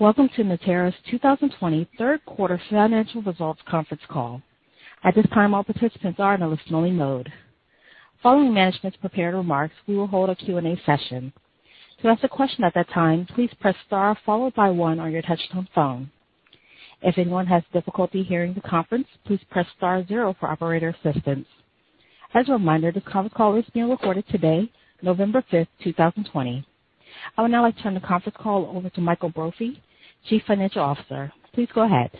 Welcome to Natera's 2020 third quarter financial results conference call. At this time, all participants are in a listening mode. Following management's prepared remarks, we will hold a Q&A session. To ask a question at that time, please press star followed by one on your touchtone phone. If anyone has difficulty hearing the conference, please press star zero for operator assistance. As a reminder, this conference call is being recorded today, November 5th, 2020. I would now like to turn the conference call over to Michael Brophy, Chief Financial Officer. Please go ahead.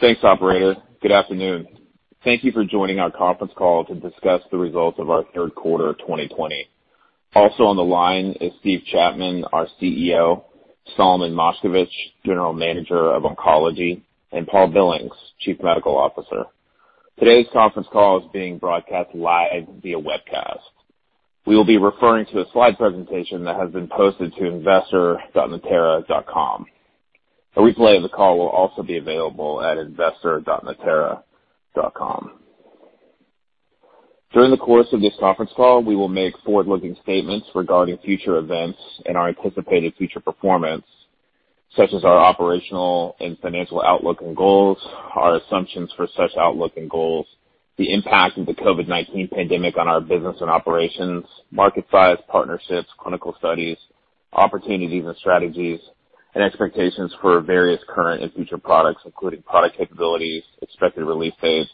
Thanks, operator. Good afternoon. Thank you for joining our conference call to discuss the results of our third quarter of 2020. Also on the line is Steve Chapman, our CEO, Solomon Moshkevich, General Manager of Oncology, and Paul Billings, Chief Medical Officer. Today's conference call is being broadcast live via webcast. We will be referring to a slide presentation that has been posted to investor.natera.com. A replay of the call will also be available at investor.natera.com. During the course of this conference call, we will make forward-looking statements regarding future events and our anticipated future performance, such as our operational and financial outlook and goals, our assumptions for such outlook and goals, the impact of the COVID-19 pandemic on our business and operations, market size, partnerships, clinical studies, opportunities and strategies, and expectations for various current and future products, including product capabilities, expected release dates,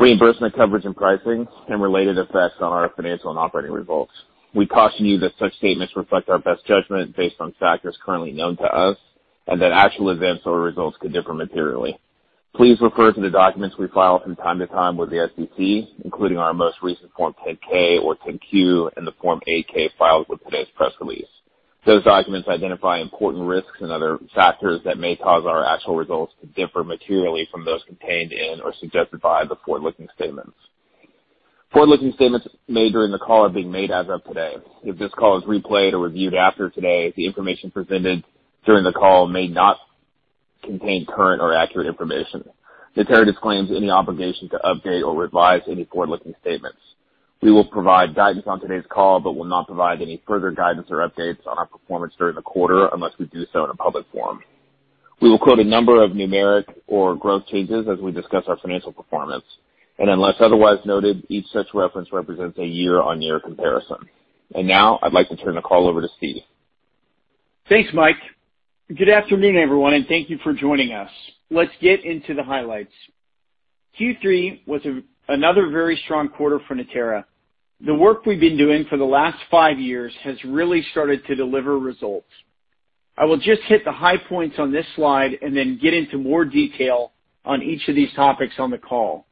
reimbursement coverage and pricing, and related effects on our financial and operating results. We caution you that such statements reflect our best judgment based on factors currently known to us, and that actual events or results could differ materially. Please refer to the documents we file from time to time with the SEC, including our most recent Form 10-K or 10-Q and the Form 8-K filed with today's press release. Those documents identify important risks and other factors that may cause our actual results to differ materially from those contained in or suggested by the forward-looking statements. Forward-looking statements made during the call are being made as of today. If this call is replayed or reviewed after today, the information presented during the call may not contain current or accurate information. Natera disclaims any obligation to update or revise any forward-looking statements. We will provide guidance on today's call, but will not provide any further guidance or updates on our performance during the quarter unless we do so in a public forum. We will quote a number of numeric or growth changes as we discuss our financial performance, and unless otherwise noted, each such reference represents a year-over-year comparison. Now, I'd like to turn the call over to Steve. Thanks, Mike. Good afternoon, everyone, and thank you for joining us. Let's get into the highlights. Q3 was another very strong quarter for Natera. The work we've been doing for the last five years has really started to deliver results. I will just hit the high points on this slide and then get into more detail on each of these topics on the call.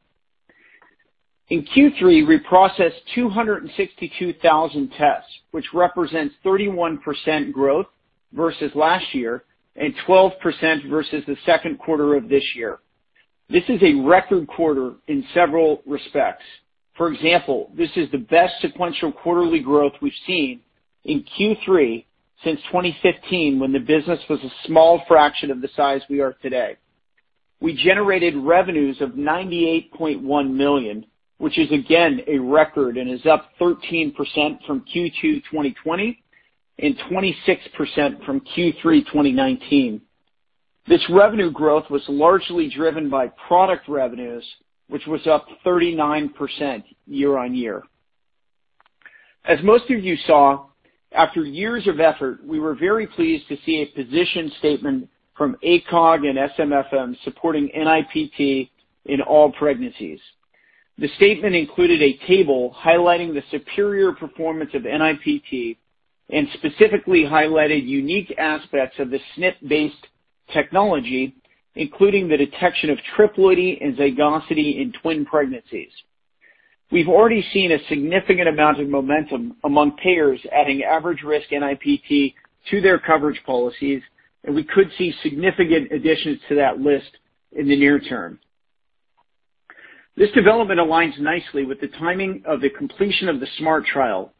In Q3, we processed 262,000 tests, which represents 31% growth versus last year and 12% versus the second quarter of this year. This is a record quarter in several respects. For example, this is the best sequential quarterly growth we've seen in Q3 since 2015, when the business was a small fraction of the size we are today. We generated revenues of $98.1 million, which is again, a record and is up 13% from Q2 2020 and 26% from Q3 2019. This revenue growth was largely driven by product revenues, which was up 39% year-on-year. As most of you saw, after years of effort, we were very pleased to see a position statement from ACOG and SMFM supporting NIPT in all pregnancies. The statement included a table highlighting the superior performance of NIPT and specifically highlighted unique aspects of the SNP-based technology, including the detection of triploidy and zygosity in twin pregnancies. We've already seen a significant amount of momentum among payers adding average risk NIPT to their coverage policies, we could see significant additions to that list in the near term. This development aligns nicely with the timing of the completion of the SMART trial.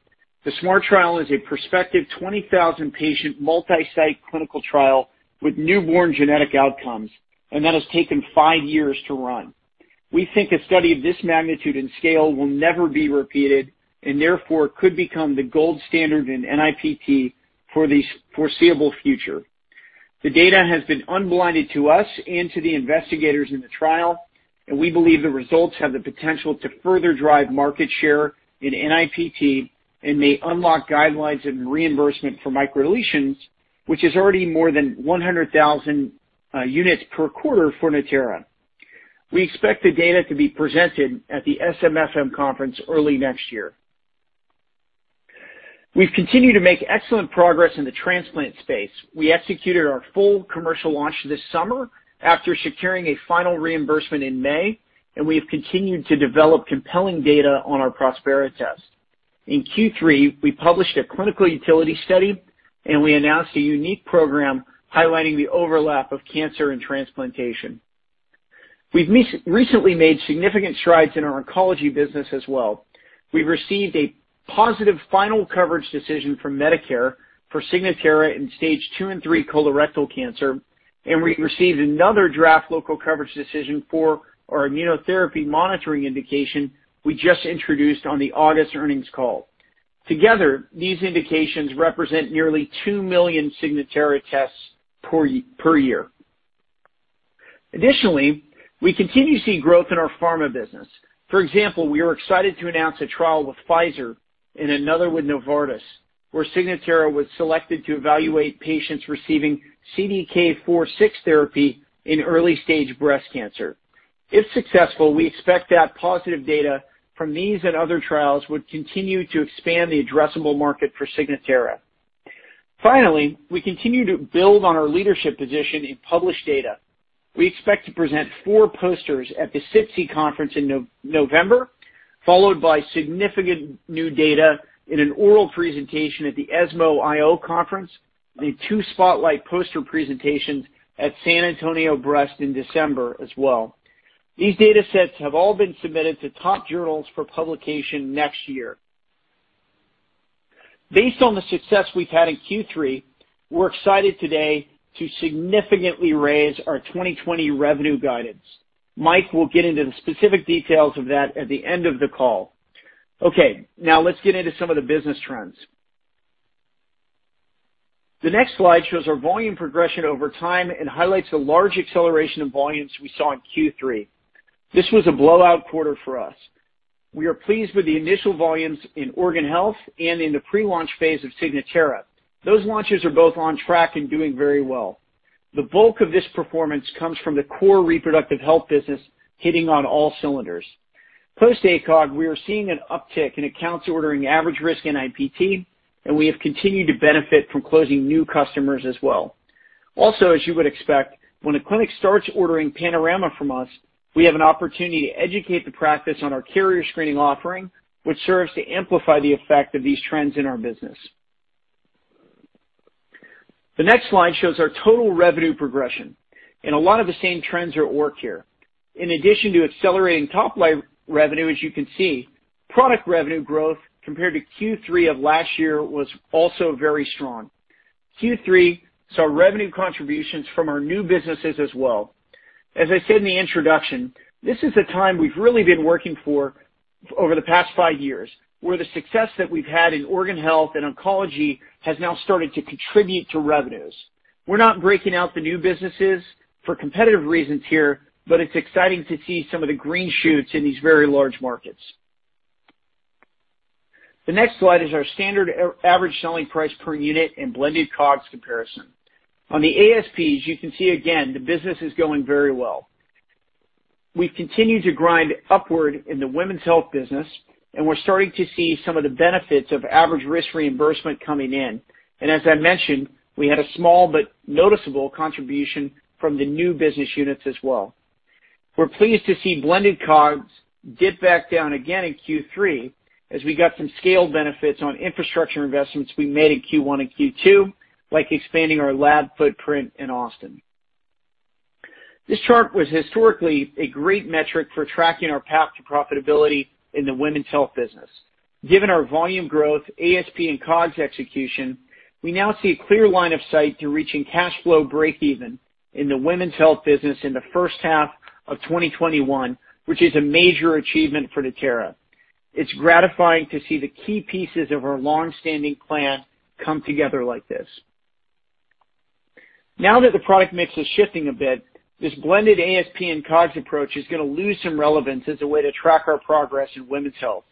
The SMART trial is a prospective 20,000-patient multi-site clinical trial with newborn genetic outcomes, that has taken five years to run. We think a study of this magnitude and scale will never be repeated and therefore could become the gold standard in NIPT for the foreseeable future. The data has been unblinded to us and to the investigators in the trial, and we believe the results have the potential to further drive market share in NIPT and may unlock guidelines and reimbursement for microdeletions, which is already more than 100,000 units per quarter for Natera. We expect the data to be presented at the SMFM conference early next year. We've continued to make excellent progress in the transplant space. We executed our full commercial launch this summer after securing a final reimbursement in May. We have continued to develop compelling data on our Prospera test. In Q3, we published a clinical utility study. We announced a unique program highlighting the overlap of cancer and transplantation. We've recently made significant strides in our oncology business as well. We received a positive final coverage decision from Medicare for Signatera in stage II and III colorectal cancer, and we received another draft local coverage decision for our immunotherapy monitoring indication we just introduced on the August earnings call. Together, these indications represent nearly two million Signatera tests per year. Additionally, we continue to see growth in our pharma business. For example, we are excited to announce a trial with Pfizer and another with Novartis, where Signatera was selected to evaluate patients receiving CDK4/6 therapy in early-stage breast cancer. If successful, we expect that positive data from these and other trials would continue to expand the addressable market for Signatera. Finally, we continue to build on our leadership position in published data. We expect to present four posters at the SITC conference in November, followed by significant new data in an oral presentation at the ESMO IO conference, and two spotlight poster presentations at San Antonio Breast in December as well. These data sets have all been submitted to top journals for publication next year. Based on the success we've had in Q3, we're excited today to significantly raise our 2020 revenue guidance. Mike will get into the specific details of that at the end of the call. Okay, now let's get into some of the business trends. The next slide shows our volume progression over time and highlights the large acceleration in volumes we saw in Q3. This was a blowout quarter for us. We are pleased with the initial volumes in organ health and in the pre-launch phase of Signatera. Those launches are both on track and doing very well. The bulk of this performance comes from the core reproductive health business hitting on all cylinders. Post-ACOG, we are seeing an uptick in accounts ordering average risk NIPT, and we have continued to benefit from closing new customers as well. As you would expect, when a clinic starts ordering Panorama from us, we have an opportunity to educate the practice on our carrier screening offering, which serves to amplify the effect of these trends in our business. The next slide shows our total revenue progression. A lot of the same trends are at work here. In addition to accelerating top-line revenue, as you can see, product revenue growth compared to Q3 of last year was also very strong. Q3 saw revenue contributions from our new businesses as well. As I said in the introduction, this is a time we've really been working for over the past five years, where the success that we've had in organ health and oncology has now started to contribute to revenues. We're not breaking out the new businesses for competitive reasons here, but it's exciting to see some of the green shoots in these very large markets. The next slide is our standard average selling price per unit and blended COGS comparison. On the ASPs, you can see again the business is going very well. We've continued to grind upward in the women's health business, and we're starting to see some of the benefits of average risk reimbursement coming in. As I mentioned, we had a small but noticeable contribution from the new business units as well. We're pleased to see blended COGS dip back down again in Q3 as we got some scale benefits on infrastructure investments we made in Q1 and Q2, like expanding our lab footprint in Austin. This chart was historically a great metric for tracking our path to profitability in the women's health business. Given our volume growth, ASP, and COGS execution, we now see a clear line of sight to reaching cash flow breakeven in the women's health business in the first half of 2021, which is a major achievement for Natera. It's gratifying to see the key pieces of our long-standing plan come together like this. Now that the product mix is shifting a bit, this blended ASP and COGS approach is going to lose some relevance as a way to track our progress in women's health.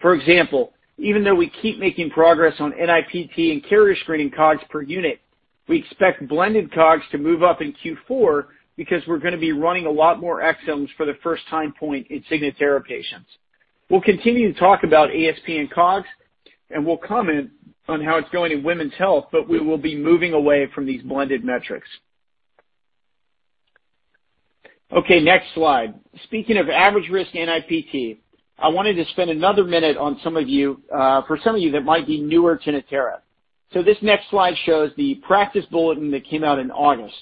For example, even though we keep making progress on NIPT and carrier screening COGS per unit, we expect blended COGS to move up in Q4 because we're going to be running a lot more exomes for the first time point in Signatera patients. We'll continue to talk about ASP and COGS, and we'll comment on how it's going in women's health, but we will be moving away from these blended metrics. Next slide. Speaking of average risk NIPT, I wanted to spend another minute for some of you that might be newer to Natera. This next slide shows the practice bulletin that came out in August.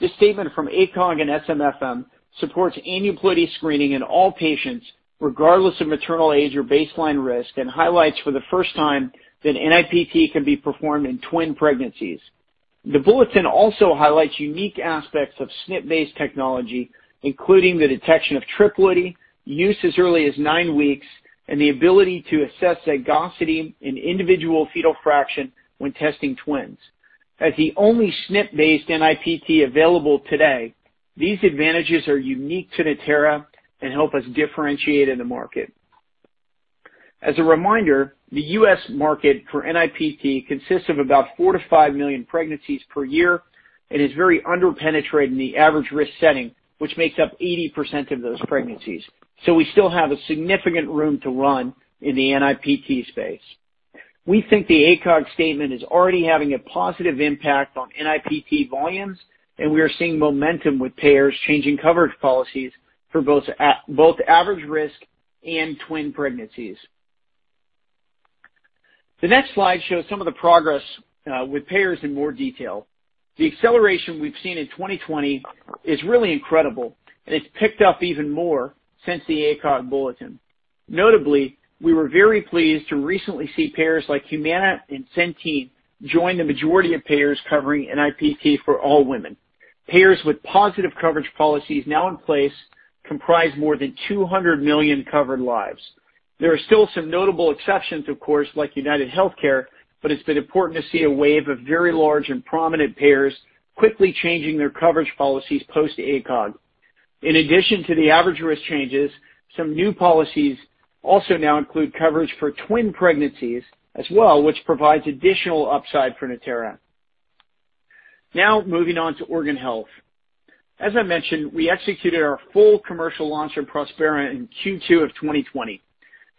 This statement from ACOG and SMFM supports aneuploidy screening in all patients, regardless of maternal age or baseline risk, and highlights for the first time that NIPT can be performed in twin pregnancies. The bulletin also highlights unique aspects of SNP-based technology, including the detection of triploidy, use as early as nine weeks, and the ability to assess zygosity in individual fetal fraction when testing twins. As the only SNP-based NIPT available today, these advantages are unique to Natera and help us differentiate in the market. As a reminder, the U.S. market for NIPT consists of about four to five million pregnancies per year and is very under-penetrated in the average risk setting, which makes up 80% of those pregnancies. We still have a significant room to run in the NIPT space. We think the ACOG statement is already having a positive impact on NIPT volumes, and we are seeing momentum with payers changing coverage policies for both average risk and twin pregnancies. The next slide shows some of the progress with payers in more detail. The acceleration we've seen in 2020 is really incredible, and it's picked up even more since the ACOG bulletin. Notably, we were very pleased to recently see payers like Humana and Centene join the majority of payers covering NIPT for all women. Payers with positive coverage policies now in place comprise more than 200 million covered lives. There are still some notable exceptions, of course, like UnitedHealthcare, but it's been important to see a wave of very large and prominent payers quickly changing their coverage policies post ACOG. In addition to the average-risk changes, some new policies also now include coverage for twin pregnancies as well, which provides additional upside for Natera. Now moving on to organ health. As I mentioned, we executed our full commercial launch for Prospera in Q2 of 2020.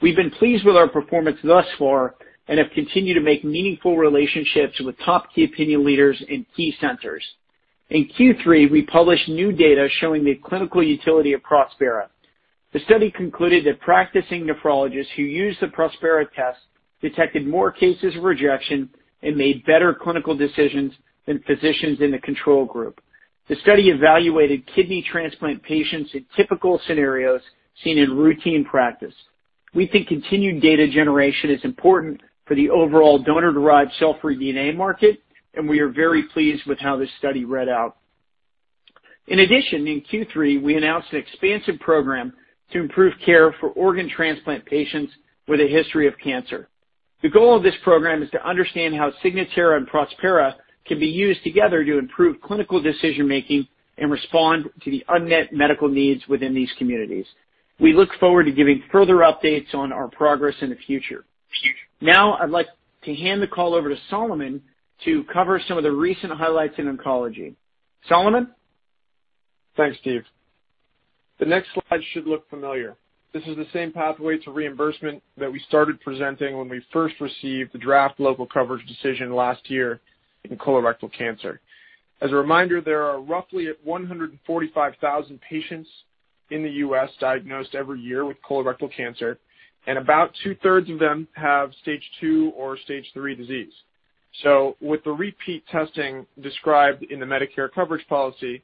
We've been pleased with our performance thus far and have continued to make meaningful relationships with top key opinion leaders in key centers. In Q3, we published new data showing the clinical utility of Prospera. The study concluded that practicing nephrologists who use the Prospera test detected more cases of rejection and made better clinical decisions than physicians in the control group. The study evaluated kidney transplant patients in typical scenarios seen in routine practice. We think continued data generation is important for the overall donor-derived cell-free DNA market, and we are very pleased with how this study read out. In addition, in Q3, we announced an expansive program to improve care for organ transplant patients with a history of cancer. The goal of this program is to understand how Signatera and Prospera can be used together to improve clinical decision-making and respond to the unmet medical needs within these communities. We look forward to giving further updates on our progress in the future. I'd like to hand the call over to Solomon to cover some of the recent highlights in oncology. Solomon? Thanks, Steve. The next slide should look familiar. This is the same pathway to reimbursement that we started presenting when we first received the draft Local Coverage Determination last year in colorectal cancer. As a reminder, there are roughly 145,000 patients in the U.S. diagnosed every year with colorectal cancer, and about two-thirds of them have stage II or stage III disease. With the repeat testing described in the Medicare coverage policy,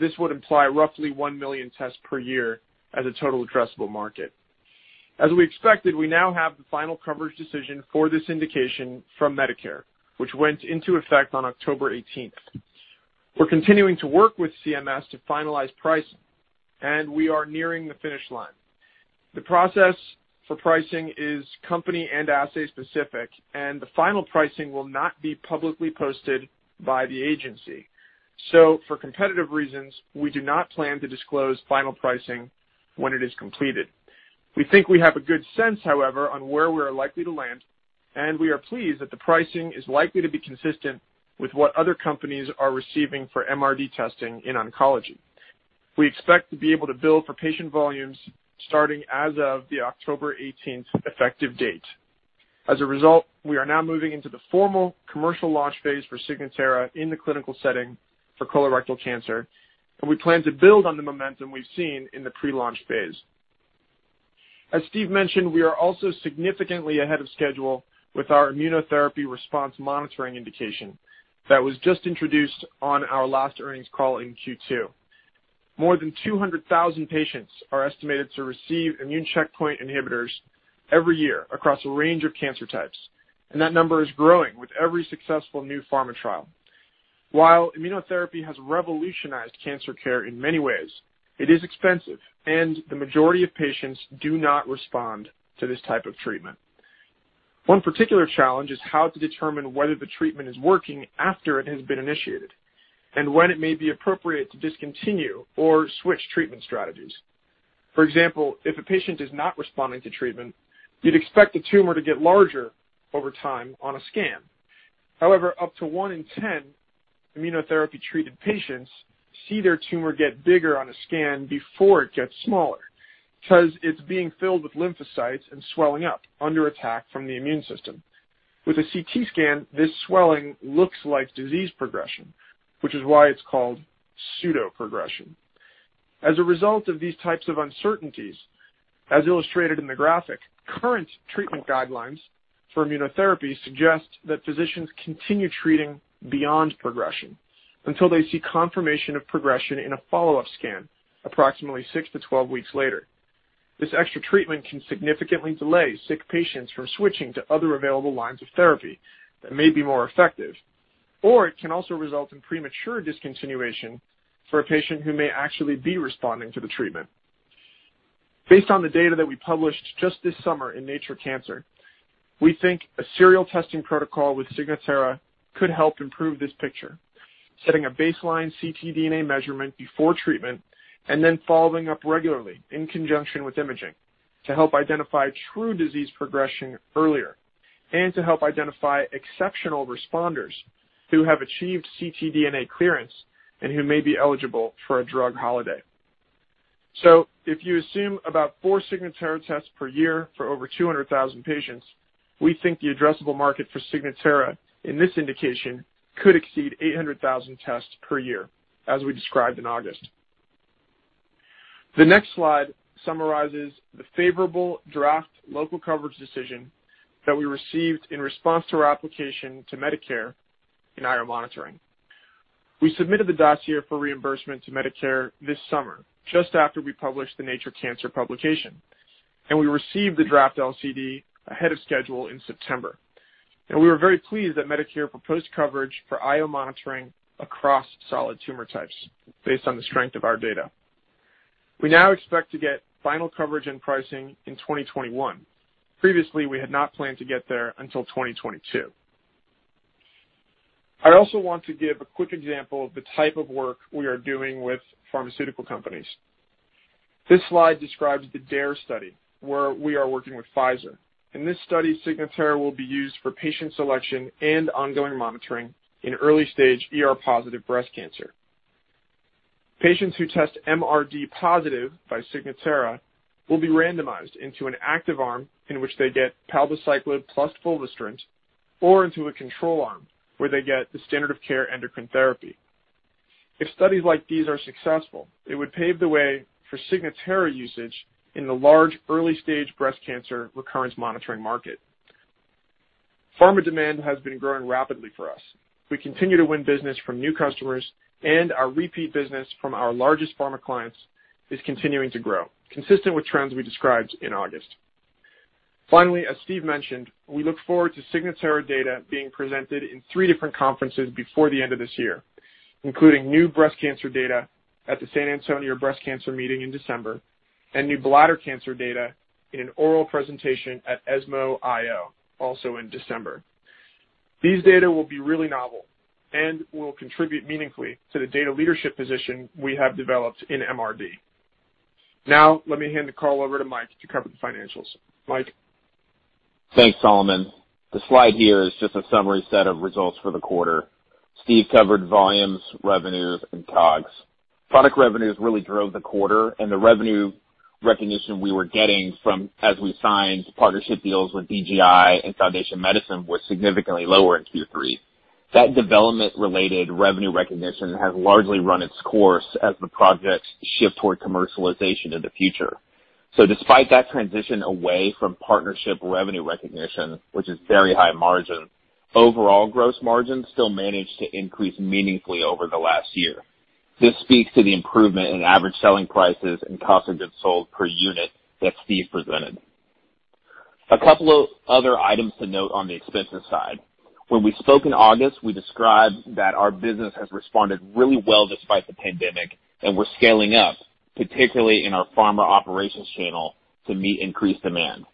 this would imply roughly 1 million tests per year as a total addressable market. As we expected, we now have the final Local Coverage Determination for this indication from Medicare, which went into effect on October 18th. We're continuing to work with CMS to finalize pricing, and we are nearing the finish line. The process for pricing is company and assay-specific, and the final pricing will not be publicly posted by the agency. For competitive reasons, we do not plan to disclose final pricing when it is completed. We think we have a good sense, however, on where we are likely to land, and we are pleased that the pricing is likely to be consistent with what other companies are receiving for MRD testing in oncology. We expect to be able to bill for patient volumes starting as of the October 18th effective date. We are now moving into the formal commercial launch phase for Signatera in the clinical setting for colorectal cancer, and we plan to build on the momentum we've seen in the pre-launch phase. As Steve mentioned, we are also significantly ahead of schedule with our immunotherapy response monitoring indication that was just introduced on our last earnings call in Q2. More than 200,000 patients are estimated to receive immune checkpoint inhibitors every year across a range of cancer types, and that number is growing with every successful new pharma trial. While immunotherapy has revolutionized cancer care in many ways, it is expensive, and the majority of patients do not respond to this type of treatment. One particular challenge is how to determine whether the treatment is working after it has been initiated and when it may be appropriate to discontinue or switch treatment strategies. For example, if a patient is not responding to treatment, you'd expect the tumor to get larger over time on a scan. However, up to one in 10 immunotherapy-treated patients see their tumor get bigger on a scan before it gets smaller because it's being filled with lymphocytes and swelling up, under attack from the immune system. With a CT scan, this swelling looks like disease progression, which is why it's called pseudoprogression. As a result of these types of uncertainties, as illustrated in the graphic, current treatment guidelines for immunotherapy suggest that physicians continue treating beyond progression until they see confirmation of progression in a follow-up scan approximately 6 to 12 weeks later. This extra treatment can significantly delay sick patients from switching to other available lines of therapy that may be more effective. It can also result in premature discontinuation for a patient who may actually be responding to the treatment. Based on the data that we published just this summer in Nature Cancer, we think a serial testing protocol with Signatera could help improve this picture, setting a baseline ctDNA measurement before treatment, and then following up regularly in conjunction with imaging to help identify true disease progression earlier and to help identify exceptional responders who have achieved ctDNA clearance and who may be eligible for a drug holiday. If you assume about four Signatera tests per year for over 200,000 patients, we think the addressable market for Signatera in this indication could exceed 800,000 tests per year, as we described in August. The next slide summarizes the favorable draft local coverage decision that we received in response to our application to Medicare in IO monitoring. We submitted the dossier for reimbursement to Medicare this summer, just after we published the Nature Cancer publication. We received the draft LCD ahead of schedule in September. We were very pleased that Medicare proposed coverage for IO monitoring across solid tumor types based on the strength of our data. We now expect to get final coverage and pricing in 2021. Previously, we had not planned to get there until 2022. I also want to give a quick example of the type of work we are doing with pharmaceutical companies. This slide describes the DARE study, where we are working with Pfizer. In this study, Signatera will be used for patient selection and ongoing monitoring in early-stage ER-positive breast cancer. Patients who test MRD positive by Signatera will be randomized into an active arm, in which they get palbociclib plus fulvestrant, or into a control arm, where they get the standard of care endocrine therapy. If studies like these are successful, it would pave the way for Signatera usage in the large early-stage breast cancer recurrence monitoring market. Pharma demand has been growing rapidly for us. We continue to win business from new customers, and our repeat business from our largest pharma clients is continuing to grow, consistent with trends we described in August. As Steve mentioned, we look forward to Signatera data being presented in three different conferences before the end of this year, including new breast cancer data at the San Antonio Breast Cancer meeting in December and new bladder cancer data in an oral presentation at ESMO IO, also in December. These data will be really novel and will contribute meaningfully to the data leadership position we have developed in MRD. Now, let me hand the call over to Mike to cover the financials. Mike? Thanks, Solomon. The slide here is just a summary set of results for the quarter. Steve covered volumes, revenue, and COGS. Product revenues really drove the quarter, and the revenue recognition we were getting from as we signed partnership deals with BGI and Foundation Medicine was significantly lower in Q3. That development-related revenue recognition has largely run its course as the projects shift toward commercialization in the future. Despite that transition away from partnership revenue recognition, which is very high margin, overall gross margin still managed to increase meaningfully over the last year. This speaks to the improvement in average selling prices and cost of goods sold per unit that Steve presented. A couple of other items to note on the expenses side. When we spoke in August, we described that our business has responded really well despite the pandemic, and we're scaling up, particularly in our pharma operations channel, to meet increased demand.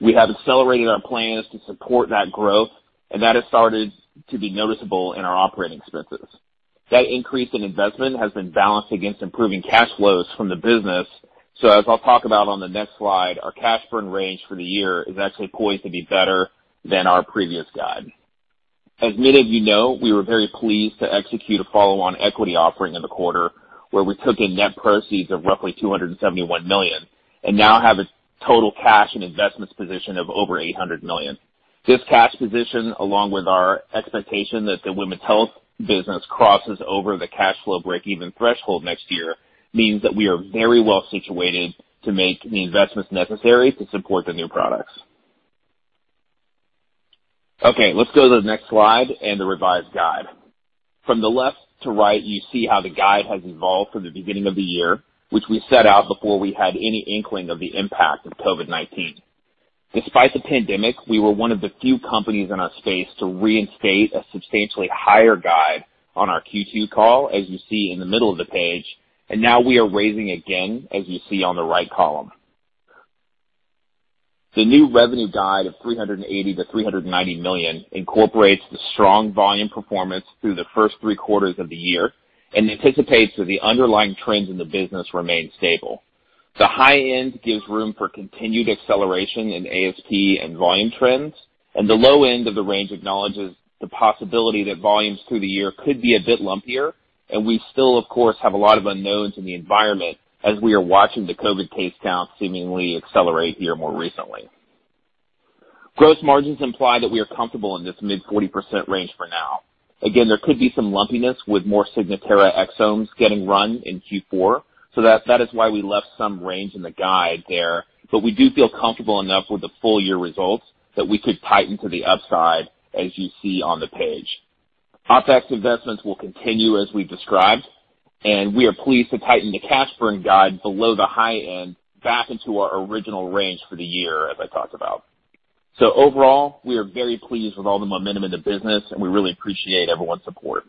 We have accelerated our plans to support that growth, and that has started to be noticeable in our operating expenses. That increase in investment has been balanced against improving cash flows from the business. As I'll talk about on the next slide, our cash burn range for the year is actually poised to be better than our previous guide. As many of you know, we were very pleased to execute a follow-on equity offering in the quarter where we took in net proceeds of roughly $271 million and now have a total cash and investments position of over $800 million. This cash position, along with our expectation that the women's health business crosses over the cash flow breakeven threshold next year, means that we are very well situated to make the investments necessary to support the new products. Let's go to the next slide and the revised guide. From the left to right, you see how the guide has evolved from the beginning of the year, which we set out before we had any inkling of the impact of COVID-19. Despite the pandemic, we were one of the few companies in our space to reinstate a substantially higher guide on our Q2 call, as you see in the middle of the page. Now we are raising again, as you see on the right column. The new revenue guide of $380 million-$390 million incorporates the strong volume performance through the first three quarters of the year and anticipates that the underlying trends in the business remain stable. The high end gives room for continued acceleration in ASP and volume trends, the low end of the range acknowledges the possibility that volumes through the year could be a bit lumpier. We still, of course, have a lot of unknowns in the environment as we are watching the COVID case count seemingly accelerate here more recently. Gross margins imply that we are comfortable in this mid-40% range for now. Again, there could be some lumpiness with more Signatera exomes getting run in Q4. That is why we left some range in the guide there. We do feel comfortable enough with the full-year results that we could tighten to the upside, as you see on the page. OPEX investments will continue as we've described, and we are pleased to tighten the cash burn guide below the high end back into our original range for the year, as I talked about. Overall, we are very pleased with all the momentum in the business, and we really appreciate everyone's support.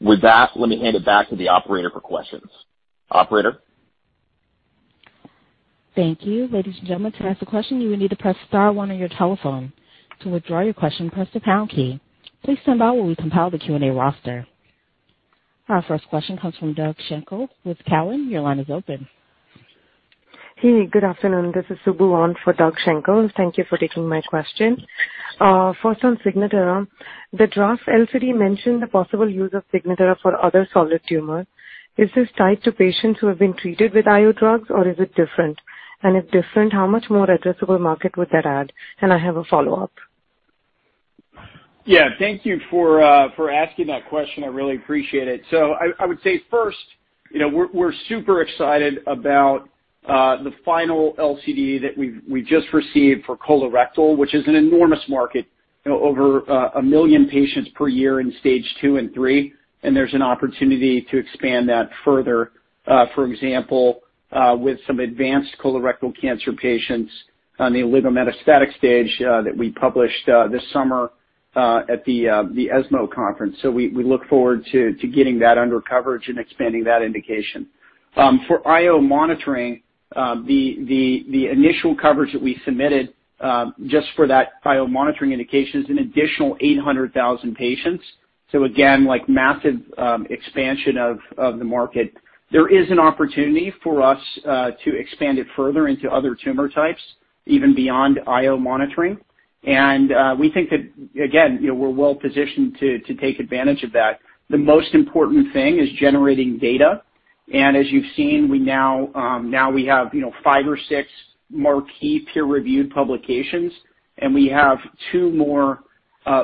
With that, let me hand it back to the operator for questions. Operator? Thank you. Ladies and gentlemen, to ask a question, you will need to press star one on your telephone. To withdraw your question, press the pound key. Please stand by while we compile the Q&A roster. Our first question comes from Doug Schenkel with Cowen. Your line is open. Hey, good afternoon. This is Subbu on for Doug Schenkel. Thank you for taking my question. First on Signatera, the draft LCD mentioned the possible use of Signatera for other solid tumors. Is this tied to patients who have been treated with IO drugs, or is it different? If different, how much more addressable market would that add? I have a follow-up. Yeah, thank you for asking that question. I really appreciate it. I would say first, we're super excited about the final LCD that we just received for colorectal, which is an enormous market. Over 1 million patients per year in stage II and III, and there's an opportunity to expand that further. For example, with some advanced colorectal cancer patients on the oligometastatic stage that we published this summer at the ESMO conference. We look forward to getting that under coverage and expanding that indication. For IO monitoring, the initial coverage that we submitted just for that IO monitoring indication is an additional 800,000 patients. Again, massive expansion of the market. There is an opportunity for us to expand it further into other tumor types, even beyond IO monitoring. We think that, again, we're well-positioned to take advantage of that. The most important thing is generating data. As you've seen, now we have five or six marquee peer-reviewed publications, and we have two more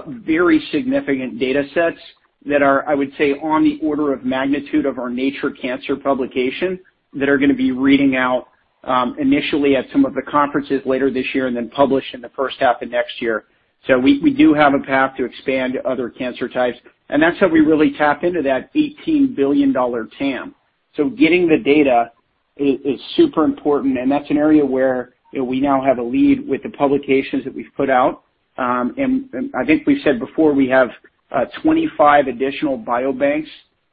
very significant data sets that are, I would say, on the order of magnitude of our Nature Cancer publication that are going to be reading out initially at some of the conferences later this year and then published in the first half of next year. We do have a path to expand to other cancer types, and that's how we really tap into that $18 billion TAM. Getting the data is super important, and that's an area where we now have a lead with the publications that we've put out. I think we said before, we have 25 additional biobanks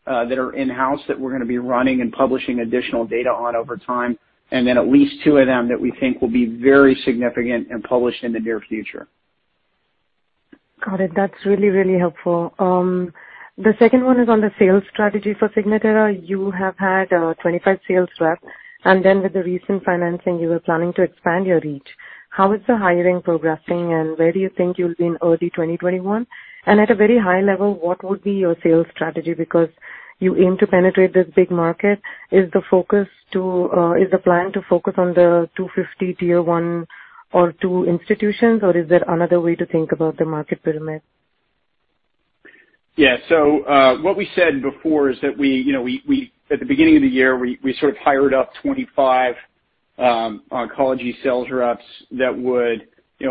that are in-house that we're going to be running and publishing additional data on over time. At least two of them that we think will be very significant and published in the near future. Got it. That's really helpful. The second one is on the sales strategy for Signatera. You have had 25 sales reps, and then with the recent financing, you were planning to expand your reach. How is the hiring progressing, and where do you think you'll be in early 2021? At a very high level, what would be your sales strategy because you aim to penetrate this big market? Is the plan to focus on the 250 tier 1 or 2 institutions, or is there another way to think about the market pyramid? What we said before is that at the beginning of the year, we sort of hired up 25 oncology sales reps that would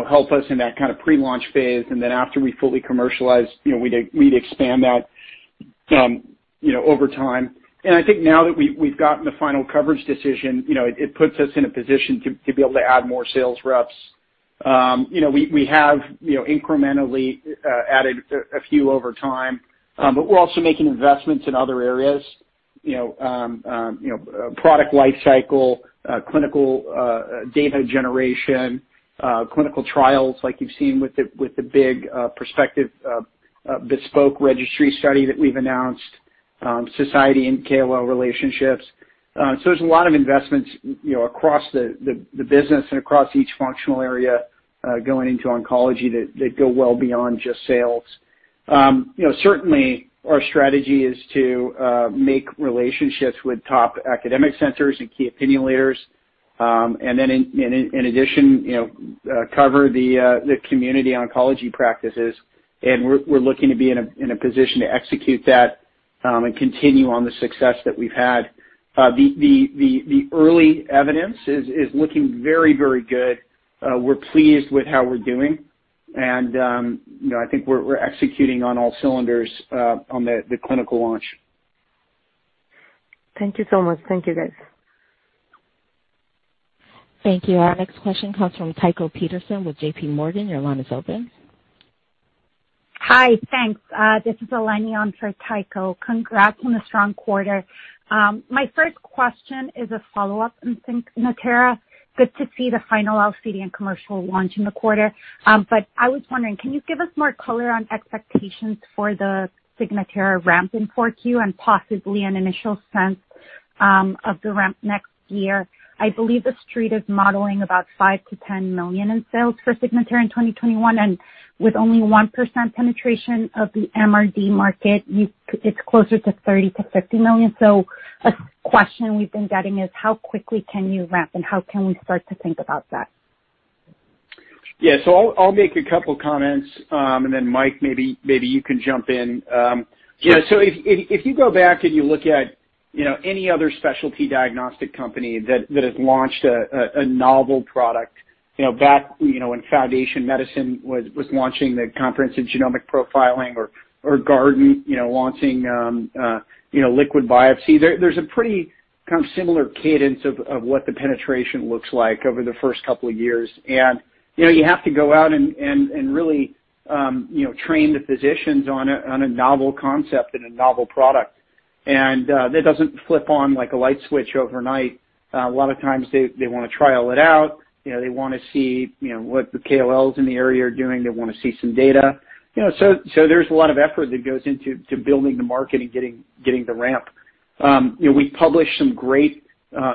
help us in that kind of pre-launch phase. After we fully commercialize, we'd expand that over time. I think now that we've gotten the final coverage decision, it puts us in a position to be able to add more sales reps. We have incrementally added a few over time, but we're also making investments in other areas, product life cycle, clinical data generation, clinical trials like you've seen with the big prospective bespoke registry study that we've announced, society and KOL relationships. There's a lot of investments across the business and across each functional area going into oncology that go well beyond just sales. Certainly, our strategy is to make relationships with top academic centers and key opinion leaders. Then in addition, cover the community oncology practices. We're looking to be in a position to execute that and continue on the success that we've had. The early evidence is looking very good. We're pleased with how we're doing. I think we're executing on all cylinders on the clinical launch. Thank you so much. Thank you, guys. Thank you. Our next question comes from Tycho Peterson with JPMorgan. Your line is open. Hi. Thanks. This is Eleni on for Tycho. Congrats on a strong quarter. My first question is a follow-up on Signatera. Good to see the final LCD commercial launch in the quarter. I was wondering, can you give us more color on expectations for the Signatera ramp in 4Q and possibly an initial sense of the ramp next year? I believe the Street is modeling about $5 million-$10 million in sales for Signatera in 2021, and with only 1% penetration of the MRD market, it's closer to $30 million-$50 million. A question we've been getting is how quickly can you ramp, and how can we start to think about that? Yeah. I'll make a couple of comments, and then Michael, maybe you can jump in. Sure. If you go back and you look at any other specialty diagnostic company that has launched a novel product, back when Foundation Medicine was launching the comprehensive genomic profiling or Guardant launching liquid biopsy, there's a pretty kind of similar cadence of what the penetration looks like over the first couple of years. You have to go out and really train the physicians on a novel concept and a novel product. That doesn't flip on like a light switch overnight. A lot of times they want to trial it out, they want to see what the KOLs in the area are doing, they want to see some data. There's a lot of effort that goes into building the market and getting the ramp. We published some great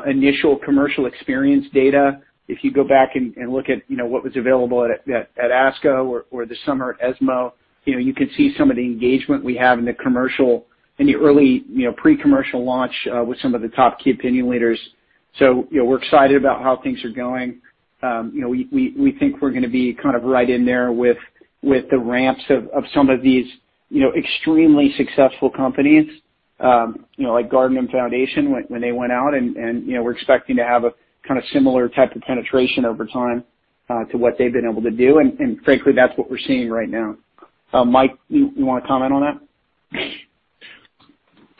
initial commercial experience data. If you go back and look at what was available at ASCO or this summer at ESMO, you can see some of the engagement we have in the early pre-commercial launch with some of the top key opinion leaders. We're excited about how things are going. We think we're going to be kind of right in there with the ramps of some of these extremely successful companies. Like Guardant and Foundation when they went out, and we're expecting to have a similar type of penetration over time to what they've been able to do. Frankly, that's what we're seeing right now. Mike, you want to comment on that?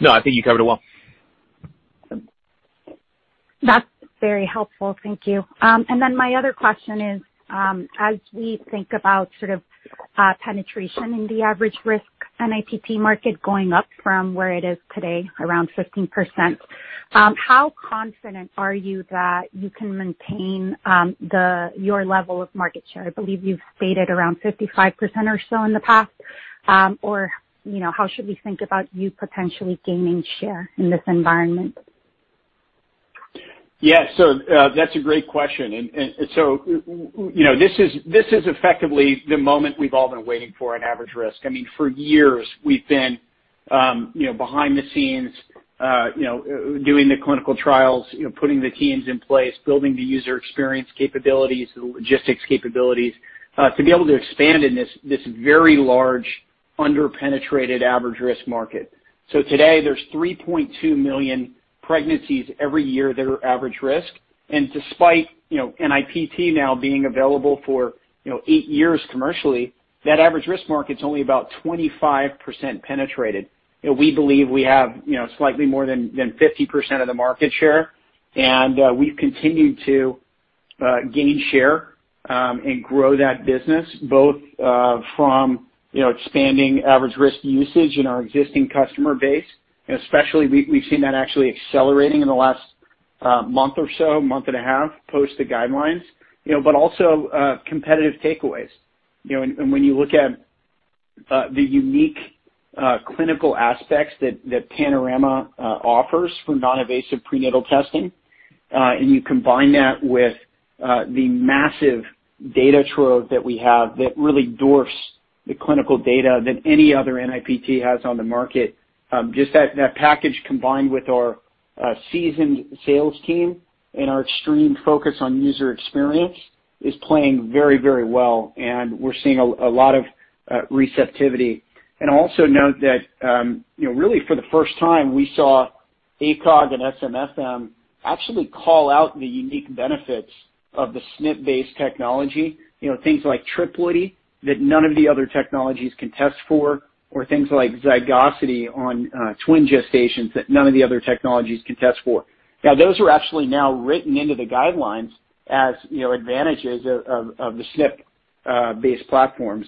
No, I think you covered it well. That's very helpful. Thank you. My other question is, as we think about sort of penetration in the average risk NIPT market going up from where it is today, around 15%, how confident are you that you can maintain your level of market share? I believe you've stated around 55% or so in the past. How should we think about you potentially gaining share in this environment? Yeah. That's a great question. This is effectively the moment we've all been waiting for in average risk. I mean, for years we've been behind the scenes doing the clinical trials, putting the teams in place, building the user experience capabilities, the logistics capabilities, to be able to expand in this very large, under-penetrated average risk market. Today, there's 3.2 million pregnancies every year that are average risk. Despite NIPT now being available for eight years commercially, that average risk market's only about 25% penetrated. We believe we have slightly more than 50% of the market share, and we've continued to gain share and grow that business, both from expanding average risk usage in our existing customer base, and especially we've seen that actually accelerating in the last month or so, month and a half post the guidelines. Also competitive takeaways. When you look at the unique clinical aspects that Panorama offers for non-invasive prenatal testing, and you combine that with the massive data trove that we have that really dwarfs the clinical data that any other NIPT has on the market. Just that package combined with our seasoned sales team and our extreme focus on user experience is playing very well, and we're seeing a lot of receptivity. Also note that really for the first time, we saw ACOG and SMFM actually call out the unique benefits of the SNP-based technology. Things like triploidy that none of the other technologies can test for, or things like zygosity on twin gestations that none of the other technologies can test for. Now, those are actually now written into the guidelines as advantages of the SNP-based platform.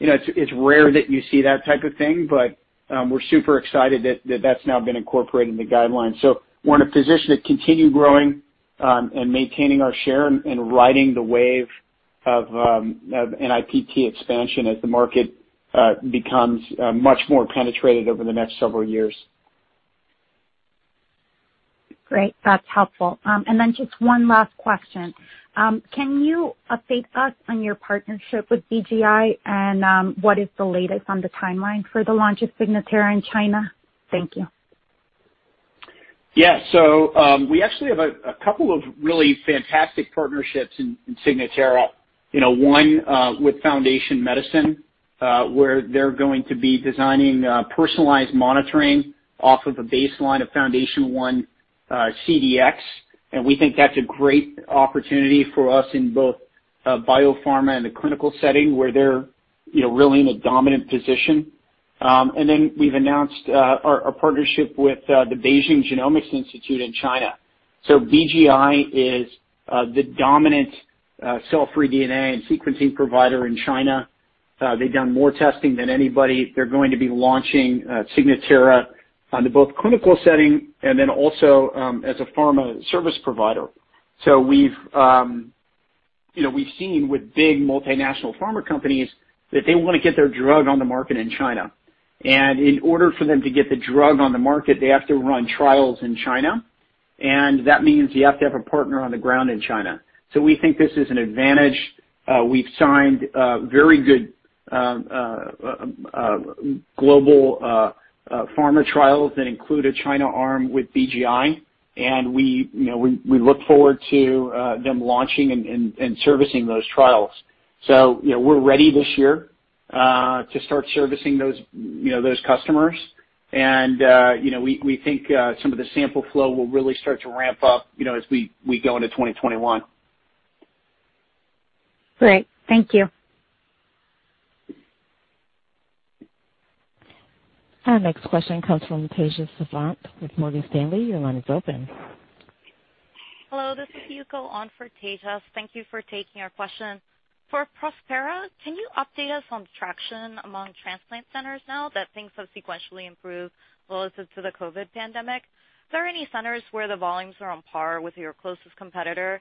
It's rare that you see that type of thing, but we're super excited that that's now been incorporated in the guidelines. We're in a position to continue growing and maintaining our share and riding the wave of NIPT expansion as the market becomes much more penetrated over the next several years. Great. That's helpful. Just one last question. Can you update us on your partnership with BGI and what is the latest on the timeline for the launch of Signatera in China? Thank you. Yeah. We actually have a couple of really fantastic partnerships in Signatera. One with Foundation Medicine, where they're going to be designing personalized monitoring off of a baseline of FoundationOne CDx, and we think that's a great opportunity for us in both biopharma and the clinical setting, where they're really in a dominant position. We've announced our partnership with the Beijing Genomics Institute in China. BGI is the dominant cell-free DNA and sequencing provider in China. They've done more testing than anybody. They're going to be launching Signatera on the both clinical setting and then also as a pharma service provider. We've seen with big multinational pharma companies that they want to get their drug on the market in China. In order for them to get the drug on the market, they have to run trials in China, and that means you have to have a partner on the ground in China. We think this is an advantage. We've signed very good global pharma trials that include a China arm with BGI, and we look forward to them launching and servicing those trials. We're ready this year to start servicing those customers. We think some of the sample flow will really start to ramp up as we go into 2021. Great. Thank you. Our next question comes from Tejas Savant with Morgan Stanley. Your line is open. Hello, this is Yuko on for Tejas. Thank you for taking our question. For Prospera, can you update us on traction among transplant centers now that things have sequentially improved relative to the COVID-19 pandemic? Is there any centers where the volumes are on par with your closest competitor?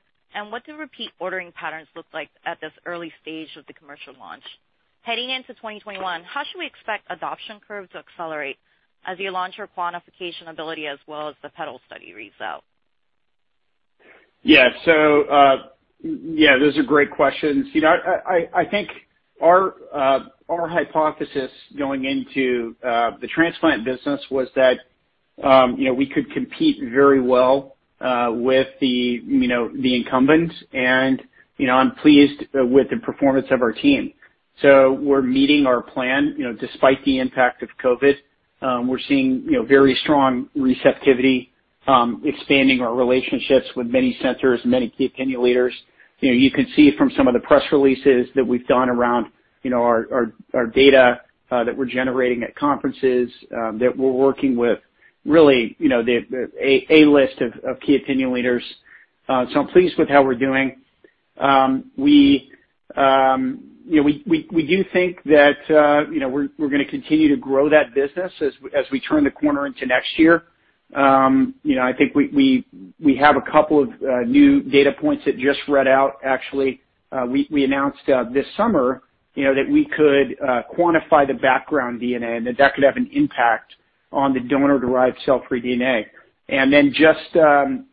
What do repeat ordering patterns look like at this early stage of the commercial launch? Heading into 2021, how should we expect adoption curves to accelerate as you launch your quantification ability as well as the PedAL study reads out? Yeah. Those are great questions. I think our hypothesis going into the transplant business was that we could compete very well with the incumbents, and I'm pleased with the performance of our team. We're meeting our plan despite the impact of COVID-19. We're seeing very strong receptivity, expanding our relationships with many centers, many key opinion leaders. You can see from some of the press releases that we've done around our data that we're generating at conferences, that we're working with really, the A-list of key opinion leaders. I'm pleased with how we're doing. We do think that we're going to continue to grow that business as we turn the corner into next year. I think we have a couple of new data points that just read out, actually. We announced this summer, that we could quantify the background DNA and that that could have an impact on the donor-derived cell-free DNA. Just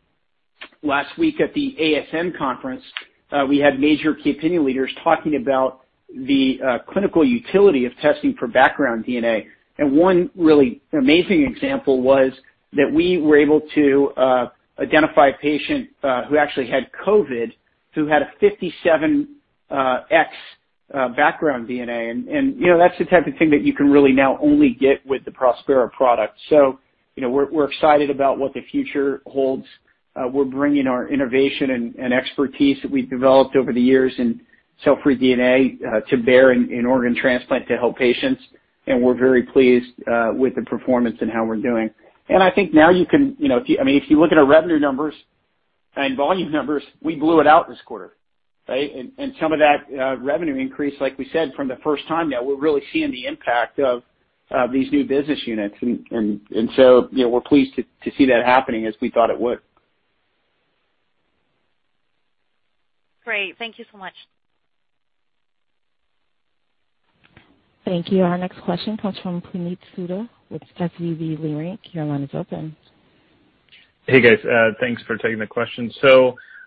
last week at the ASN conference, we had major key opinion leaders talking about the clinical utility of testing for background DNA. One really amazing example was that we were able to identify a patient who actually had COVID, who had a 57x background DNA. That's the type of thing that you can really now only get with the Prospera product. We're excited about what the future holds. We're bringing our innovation and expertise that we've developed over the years in cell-free DNA to bear in organ transplant to help patients. We're very pleased with the performance and how we're doing. I think now if you look at our revenue numbers and volume numbers, we blew it out this quarter. Some of that revenue increase, like we said, from the first time now, we're really seeing the impact of these new business units. We're pleased to see that happening as we thought it would. Great. Thank you so much. Thank you. Our next question comes from Puneet Souda with SVB Leerink. Your line is open. Hey, guys. Thanks for taking the question.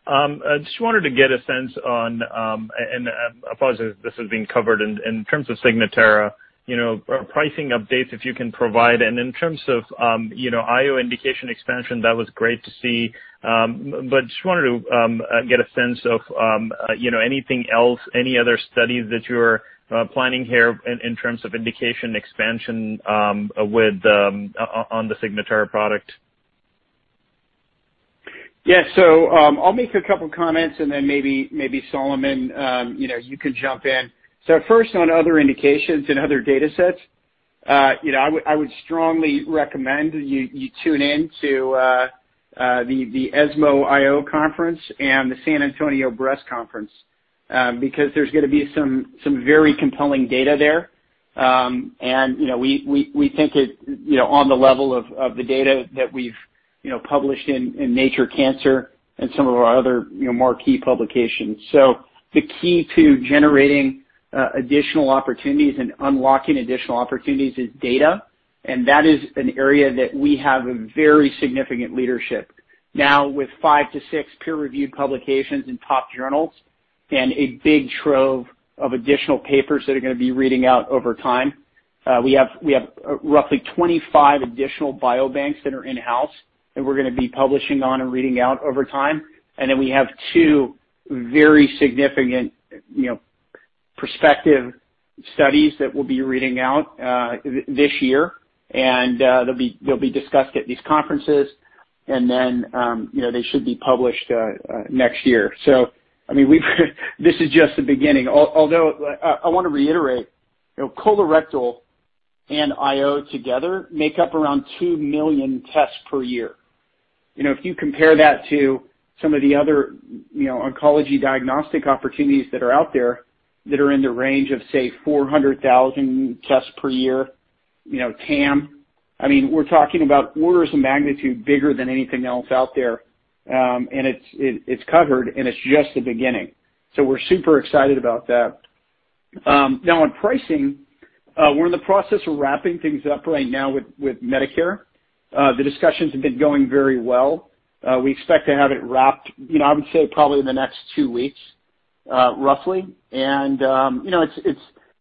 I just wanted to get a sense on, and apologies if this is being covered in terms of Signatera pricing updates, if you can provide. In terms of IO indication expansion, that was great to see, but just wanted to get a sense of anything else, any other studies that you're planning here in terms of indication expansion on the Signatera product? Yeah. I'll make a couple comments and then maybe Solomon, you can jump in. First on other indications and other data sets, I would strongly recommend you tune in to the ESMO IO conference and the San Antonio Breast Conference, because there's going to be some very compelling data there. We think it on the level of the data that we've published in Nature Cancer and some of our other more key publications. The key to generating additional opportunities and unlocking additional opportunities is data, and that is an area that we have a very significant leadership. Now with five to six peer-reviewed publications in top journals and a big trove of additional papers that are going to be reading out over time. We have roughly 25 additional biobanks that are in-house that we're going to be publishing on and reading out over time. Then we have two very significant prospective studies that we'll be reading out this year. They'll be discussed at these conferences and then they should be published next year. This is just the beginning. I want to reiterate, colorectal and IO together make up around 2 million tests per year. If you compare that to some of the other oncology diagnostic opportunities that are out there that are in the range of, say, 400,000 tests per year, TAM, we're talking about orders of magnitude bigger than anything else out there. It's covered and it's just the beginning. We're super excited about that. On pricing, we're in the process of wrapping things up right now with Medicare. The discussions have been going very well. We expect to have it wrapped, I would say probably in the next two weeks, roughly.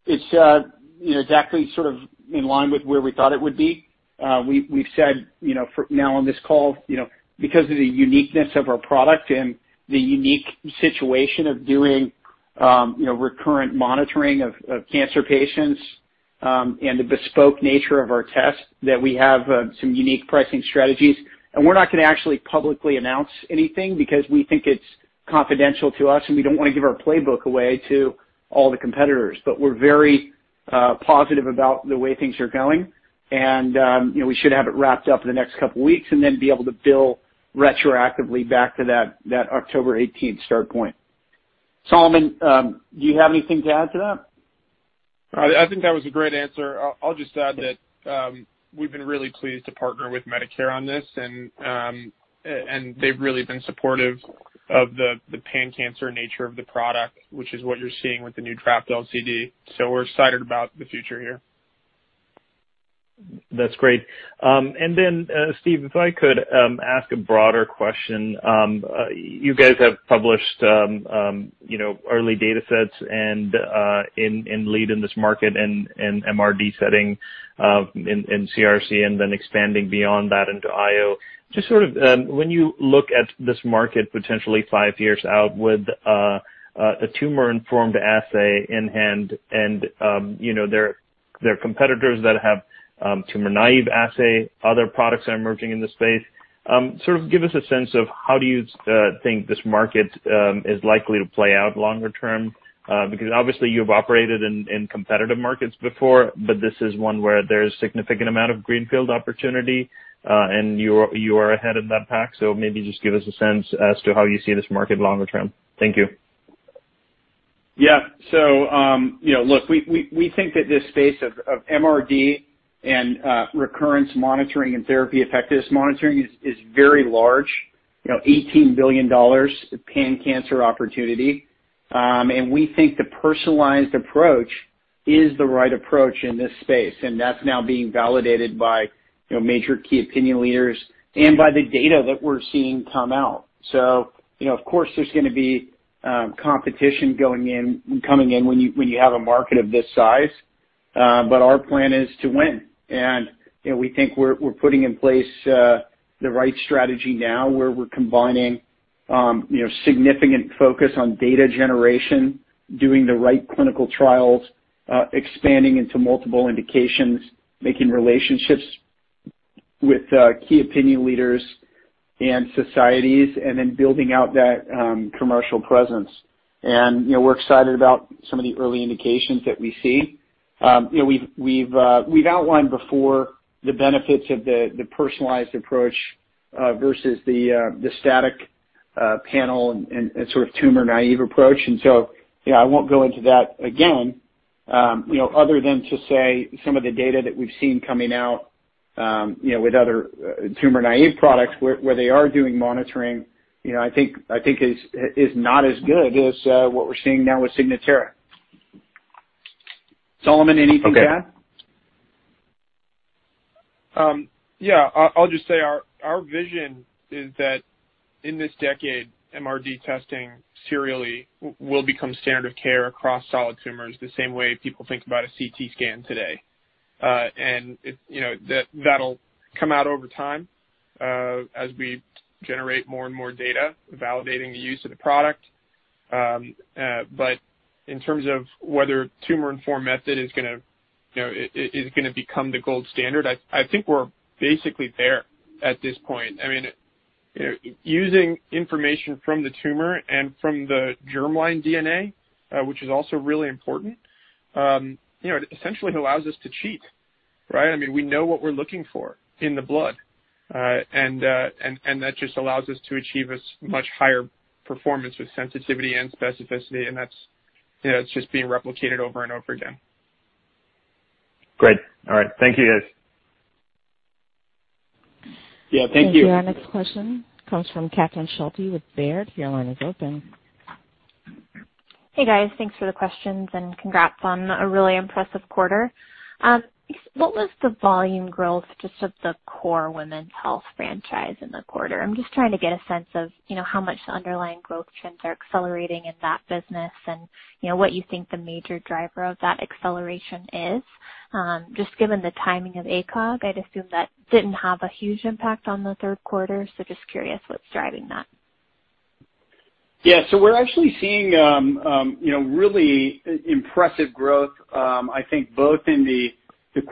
It's exactly sort of in line with where we thought it would be. We've said now on this call, because of the uniqueness of our product and the unique situation of doing recurrent monitoring of cancer patients, and the bespoke nature of our test, that we have some unique pricing strategies. We're not going to actually publicly announce anything because we think it's confidential to us and we don't want to give our playbook away to all the competitors. We're very positive about the way things are going and we should have it wrapped up in the next couple of weeks and then be able to bill retroactively back to that October 18th start point. Solomon, do you have anything to add to that? I think that was a great answer. I'll just add that we've been really pleased to partner with Medicare on this and they've really been supportive of the pan-cancer nature of the product, which is what you're seeing with the new draft LCD. We're excited about the future here. That's great. Then, Steve, if I could ask a broader question. You guys have published early data sets and lead in this market and MRD setting in CRC and then expanding beyond that into IO. Just sort of when you look at this market potentially five years out with a tumor-informed assay in hand and There are competitors that have tumor-naive assay, other products that are emerging in the space. Sort of give us a sense of how do you think this market is likely to play out longer term? Obviously you've operated in competitive markets before, but this is one where there's significant amount of greenfield opportunity, and you are ahead of that pack, so maybe just give us a sense as to how you see this market longer term. Thank you. Yeah, look, we think that this space of MRD and recurrence monitoring and therapy effectiveness monitoring is very large, $18 billion pan-cancer opportunity. We think the personalized approach is the right approach in this space, and that's now being validated by major key opinion leaders and by the data that we're seeing come out. Of course, there's going to be competition coming in when you have a market of this size. Our plan is to win, and we think we're putting in place the right strategy now where we're combining significant focus on data generation, doing the right clinical trials, expanding into multiple indications, making relationships with key opinion leaders and societies, then building out that commercial presence. We're excited about some of the early indications that we see. We've outlined before the benefits of the personalized approach, versus the static panel and sort of tumor-naive approach. I won't go into that again, other than to say some of the data that we've seen coming out with other tumor-naive products where they are doing monitoring, I think is not as good as what we're seeing now with Signatera. Solomon, anything to add? Okay. Yeah, I'll just say our vision is that in this decade, MRD testing serially will become standard of care across solid tumors the same way people think about a CT scan today. That'll come out over time, as we generate more and more data validating the use of the product. In terms of whether tumor-informed method is going to become the gold standard, I think we're basically there at this point. I mean, using information from the tumor and from the germline DNA, which is also really important, essentially allows us to cheat, right? I mean, we know what we're looking for in the blood. That just allows us to achieve a much higher performance with sensitivity and specificity, and that's just being replicated over and over again. Great. All right. Thank you, guys. Yeah, thank you. Thank you. Our next question comes from Catherine Schulte with Baird. Your line is open. Hey, guys. Thanks for the questions, and congrats on a really impressive quarter. What was the volume growth just of the core women's health franchise in the quarter? I'm just trying to get a sense of how much the underlying growth trends are accelerating in that business and what you think the major driver of that acceleration is. Just given the timing of ACOG, I'd assume that didn't have a huge impact on the third quarter. Just curious what's driving that. Yeah. We're actually seeing really impressive growth, I think both in the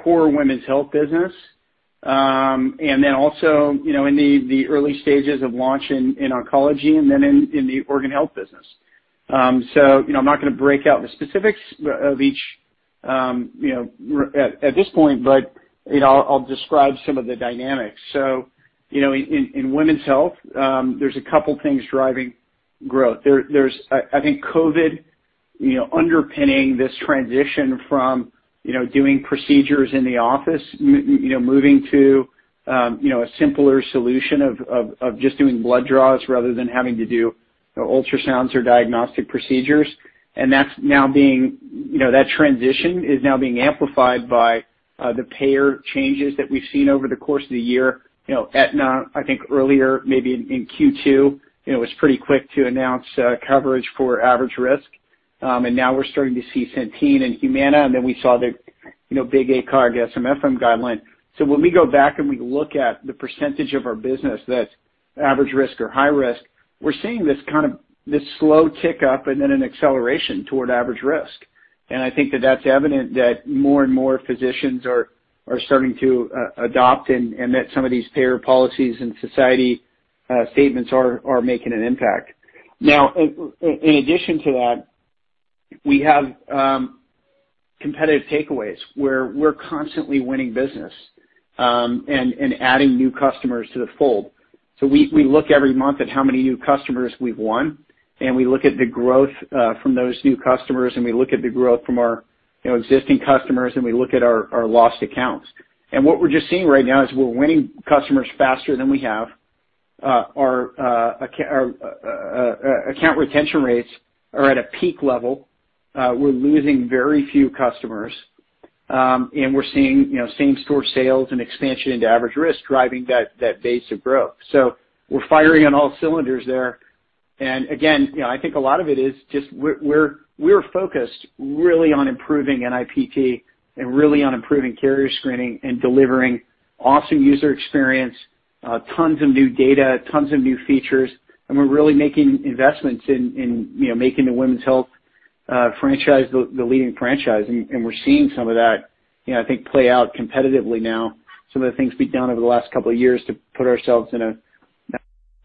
core women's health business, and then also in the early stages of launch in oncology and then in the organ health business. I'm not going to break out the specifics of each at this point, but I'll describe some of the dynamics. In women's health, there's a couple things driving growth. There's, I think, COVID underpinning this transition from doing procedures in the office, moving to a simpler solution of just doing blood draws rather than having to do ultrasounds or diagnostic procedures. That transition is now being amplified by the payer changes that we've seen over the course of the year. Aetna, I think, earlier, maybe in Q2, was pretty quick to announce coverage for average risk. Now we're starting to see Centene and Humana, and then we saw the big ACOG SMFM guideline. When we go back and we look at the percentage of our business that's average risk or high risk, we're seeing this kind of this slow tick up and then an acceleration toward average risk. I think that that's evident that more and more physicians are starting to adopt and that some of these payer policies and society statements are making an impact. In addition to that, we have competitive takeaways where we're constantly winning business, and adding new customers to the fold. We look every month at how many new customers we've won, and we look at the growth from those new customers, and we look at the growth from our existing customers, and we look at our lost accounts. What we're just seeing right now is we're winning customers faster than we have. Our account retention rates are at a peak level. We're losing very few customers. We're seeing same-store sales and expansion into average risk driving that base of growth. We're firing on all cylinders there. Again, I think a lot of it is just we're focused really on improving NIPT and really on improving carrier screening and delivering awesome user experience. Tons of new data, tons of new features, and we're really making investments in making the women's health franchise the leading franchise. We're seeing some of that, I think, play out competitively now. Some of the things we've done over the last couple of years to put ourselves in a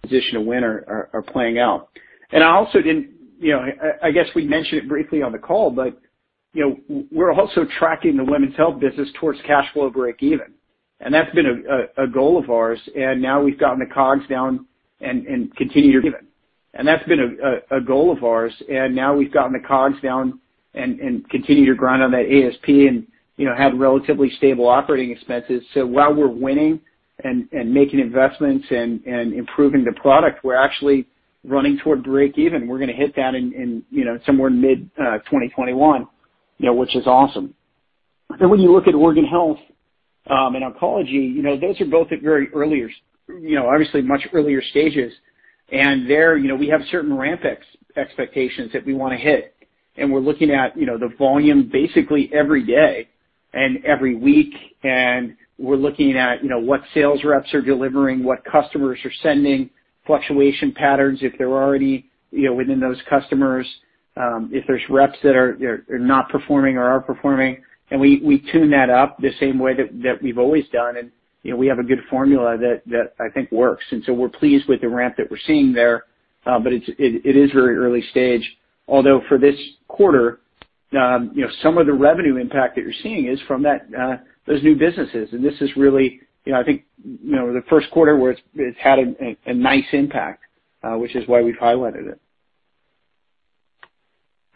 position to win are playing out. I guess we mentioned it briefly on the call, but we're also tracking the women's health business towards cash flow breakeven. That's been a goal of ours. Now we've gotten the COGS down and continue to grind on that ASP and had relatively stable operating expenses. While we're winning and making investments and improving the product, we're actually running toward breakeven. We're going to hit that in somewhere in mid-2021, which is awesome. When you look at organ health and oncology, those are both at very obviously much earlier stages. There, we have certain ramp expectations that we want to hit. We're looking at the volume basically every day and every week, and we're looking at what sales reps are delivering, what customers are sending, fluctuation patterns, if they're already within those customers, if there's reps that are not performing or are performing. We tune that up the same way that we've always done. We have a good formula that I think works. We're pleased with the ramp that we're seeing there. It is very early stage. Although for this quarter, some of the revenue impact that you're seeing is from those new businesses. This is really, I think, the first quarter where it's had a nice impact, which is why we've highlighted it.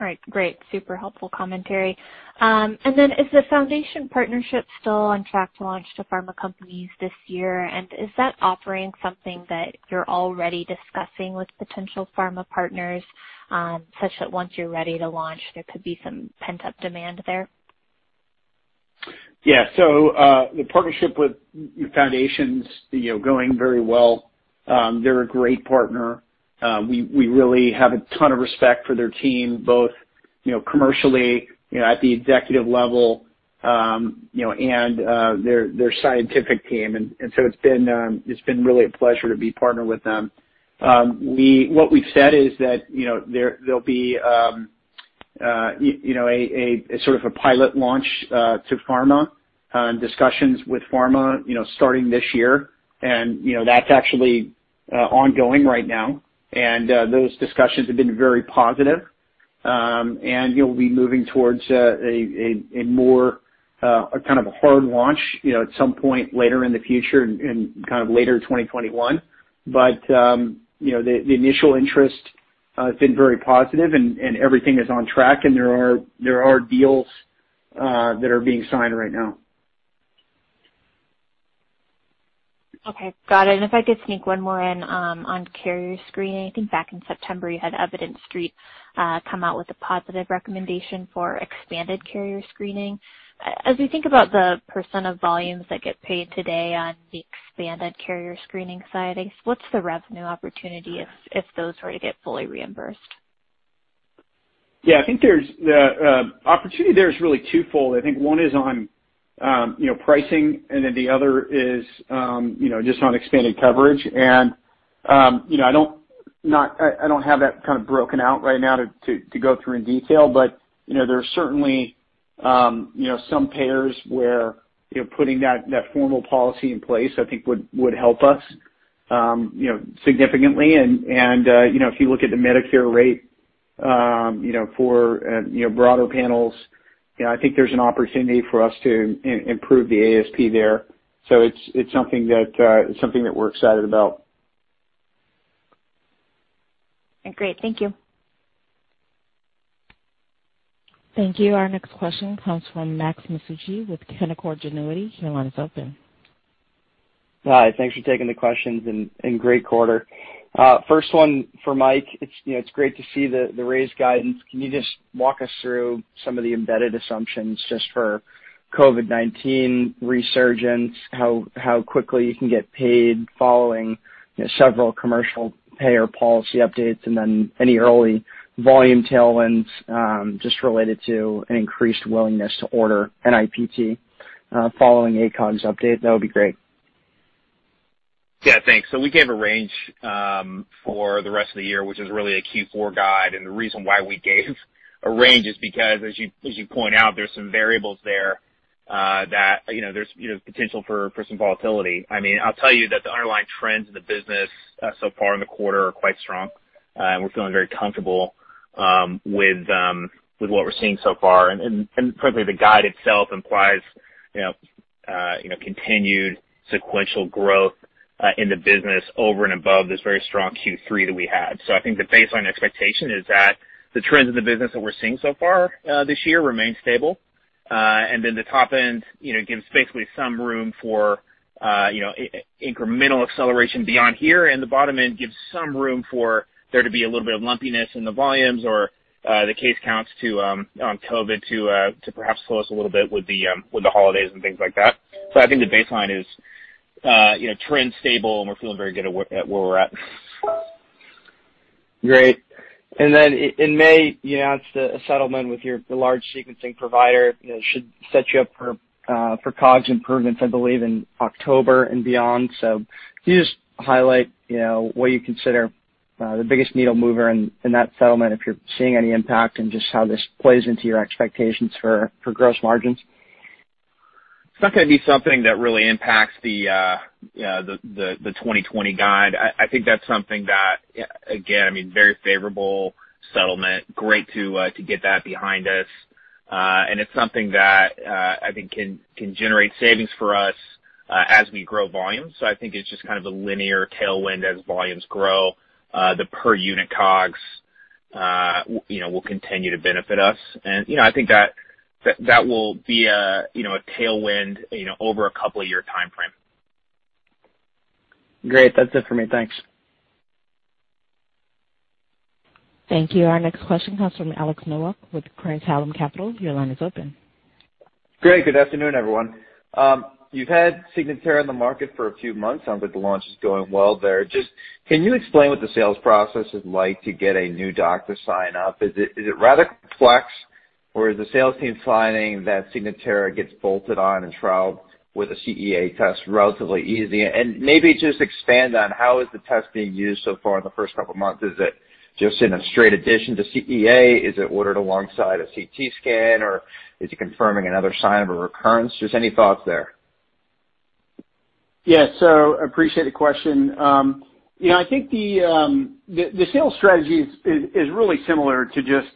All right. Great. Super helpful commentary. Then is the Foundation partnership still on track to launch to pharma companies this year? Is that offering something that you're already discussing with potential pharma partners, such that once you're ready to launch, there could be some pent-up demand there? Yeah. The partnership with Foundation's going very well. They're a great partner. We really have a ton of respect for their team, both commercially at the executive level, and their scientific team. It's been really a pleasure to be partnered with them. What we've said is that there'll be a sort of a pilot launch to pharma and discussions with pharma starting this year. That's actually ongoing right now. Those discussions have been very positive. We'll be moving towards a more kind of a hard launch at some point later in the future in later 2021. The initial interest has been very positive, and everything is on track, and there are deals that are being signed right now. Okay. Got it. If I could sneak one more in on carrier screening. I think back in September, you had Evidence Street come out with a positive recommendation for expanded carrier screening. As we think about the % of volumes that get paid today on the expanded carrier screening side, I guess what's the revenue opportunity if those were to get fully reimbursed? Yeah. I think the opportunity there is really twofold. I think one is on pricing, and then the other is just on expanded coverage. I don't have that broken out right now to go through in detail, but there are certainly some payers where putting that formal policy in place, I think would help us significantly. If you look at the Medicare rate for broader panels, I think there's an opportunity for us to improve the ASP there. It's something that we're excited about. Great. Thank you. Thank you. Our next question comes from Max Masucci with Canaccord Genuity. Your line is open. Hi. Thanks for taking the questions, and great quarter. First one for Mike. It's great to see the raised guidance. Can you just walk us through some of the embedded assumptions just for COVID-19 resurgence, how quickly you can get paid following several commercial payer policy updates, and then any early volume tailwinds just related to an increased willingness to order NIPT following ACOG's update, that would be great. Yeah, thanks. We gave a range for the rest of the year, which is really a Q4 guide. The reason why we gave a range is because, as you point out, there's some variables there that there's potential for some volatility. I'll tell you that the underlying trends in the business so far in the quarter are quite strong. We're feeling very comfortable with what we're seeing so far. Frankly, the guide itself implies continued sequential growth in the business over and above this very strong Q3 that we had. I think the baseline expectation is that the trends in the business that we're seeing so far this year remain stable. The top end gives basically some room for incremental acceleration beyond here, and the bottom end gives some room for there to be a little bit of lumpiness in the volumes or the case counts on COVID to perhaps slow us a little bit with the holidays and things like that. I think the baseline is trend stable, and we're feeling very good at where we're at. Great. In May, you announced a settlement with your large sequencing provider. It should set you up for COGS improvements, I believe, in October and beyond. Can you just highlight what you consider the biggest needle mover in that settlement, if you're seeing any impact, and just how this plays into your expectations for gross margins? It's not going to be something that really impacts the 2020 guide. I think that's something that, again, very favorable settlement. Great to get that behind us. It's something that I think can generate savings for us as we grow volume. I think it's just a linear tailwind as volumes grow. The per unit COGS will continue to benefit us. I think that will be a tailwind over a couple of year timeframe. Great. That's it for me. Thanks. Thank you. Our next question comes from Alex Nowak with Craig-Hallum Capital. Your line is open. Great. Good afternoon, everyone. You've had Signatera on the market for a few months. Sounds like the launch is going well there. Can you explain what the sales process is like to get a new doctor sign up? Is it rather complex, or is the sales team finding that Signatera gets bolted on in trial with a CEA test relatively easy? Maybe just expand on how is the test being used so far in the first couple of months. Is it just in a straight addition to CEA? Is it ordered alongside a CT scan, or is it confirming another sign of a recurrence? Any thoughts there. Yeah. Appreciate the question. I think the sales strategy is really similar to just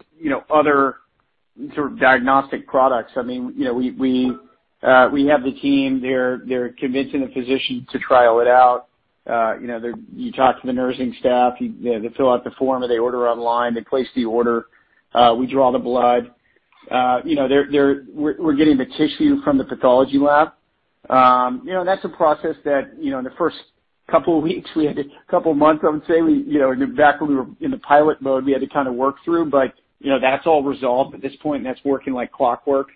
other sort of diagnostic products. We have the team, they're convincing a physician to trial it out. You talk to the nursing staff, they fill out the form, or they order online, they place the order. We draw the blood. We're getting the tissue from the pathology lab. That's a process that, in the first couple of weeks, we had to, couple of months, I would say, back when we were in the pilot mode, we had to kind of work through, but that's all resolved at this point, and that's working like clockwork.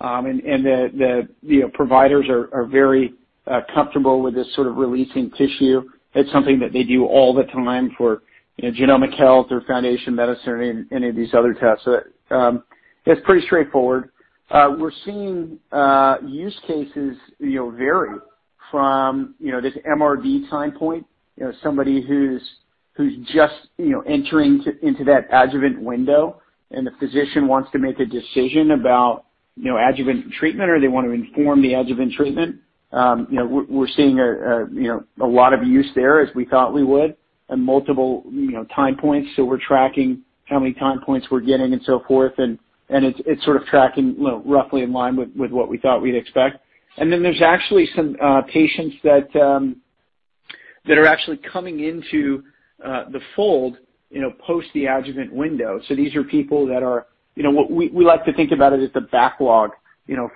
The providers are very comfortable with this sort of releasing tissue. It's something that they do all the time for Genomic Health or Foundation Medicine or any of these other tests. That's pretty straightforward. We're seeing use cases vary from this MRD time point. Somebody who's just entering into that adjuvant window, and the physician wants to make a decision about adjuvant treatment, or they want to inform the adjuvant treatment. We're seeing a lot of use there as we thought we would and multiple time points. We're tracking how many time points we're getting and so forth, and it's sort of tracking roughly in line with what we thought we'd expect. There's actually some patients that are actually coming into the fold post the adjuvant window. These are people that we like to think about it as the backlog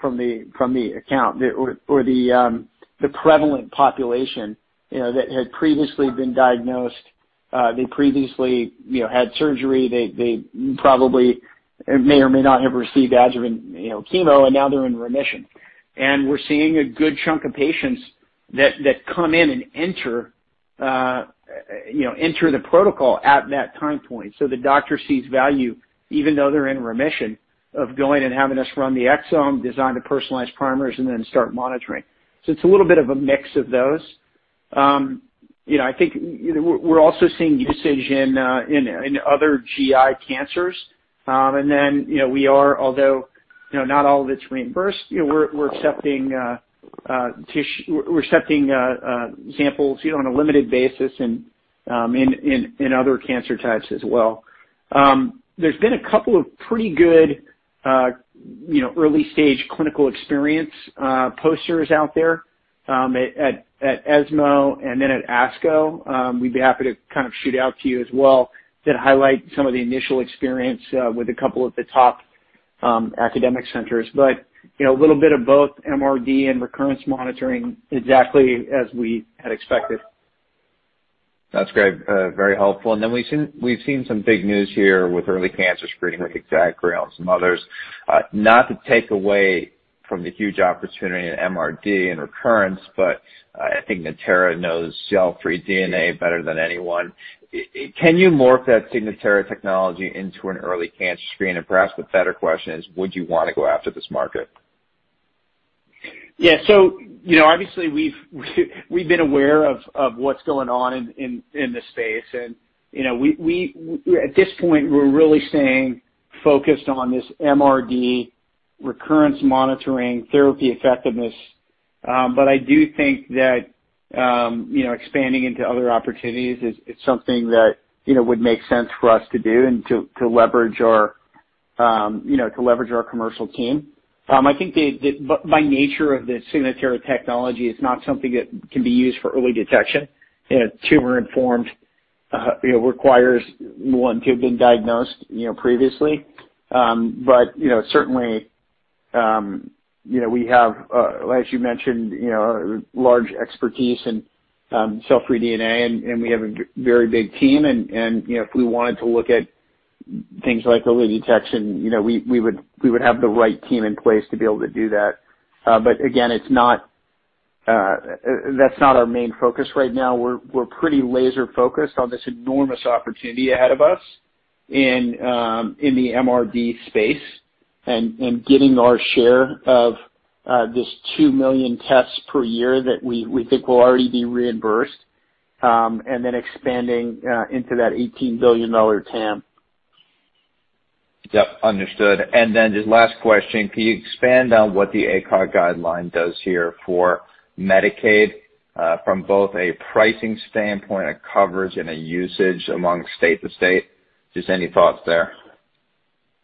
from the account or the prevalent population that had previously been diagnosed. They previously had surgery. They probably may or may not have received adjuvant chemo, and now they're in remission. We're seeing a good chunk of patients that come in and enter the protocol at that time point. The doctor sees value, even though they're in remission, of going and having us run the exome, design the personalized primers, and then start monitoring. It's a little bit of a mix of those. I think we're also seeing usage in other GI cancers. Then we are, although not all of it's reimbursed, we're accepting samples on a limited basis in other cancer types as well. There's been a couple of pretty good early-stage clinical experience posters out there at ESMO and then at ASCO. We'd be happy to kind of shoot out to you as well that highlight some of the initial experience with a couple of the top academic centers. A little bit of both MRD and recurrence monitoring, exactly as we had expected. That's great. Very helpful. We've seen some big news here with early cancer screening with Exact Sciences, GRAIL and some others. Not to take away from the huge opportunity in MRD and recurrence, but I think Natera knows cell-free DNA better than anyone. Can you morph that Signatera technology into an early cancer screen? Perhaps the better question is, would you want to go after this market? Obviously we've been aware of what's going on in the space, and at this point, we're really staying focused on this MRD recurrence monitoring therapy effectiveness. I do think that expanding into other opportunities is something that would make sense for us to do and to leverage our commercial team. I think by nature of the Signatera technology, it's not something that can be used for early detection. It's tumor informed. It requires one to have been diagnosed previously. Certainly, we have, as you mentioned, a large expertise in cell-free DNA, and we have a very big team, and if we wanted to look at things like early detection, we would have the right team in place to be able to do that. Again, that's not our main focus right now. We're pretty laser-focused on this enormous opportunity ahead of us in the MRD space and getting our share of this 2 million tests per year that we think will already be reimbursed, and then expanding into that $18 billion TAM. Yep. Understood. Then just last question. Can you expand on what the ACOG guideline does here for Medicaid, from both a pricing standpoint, a coverage, and a usage among state to state? Just any thoughts there.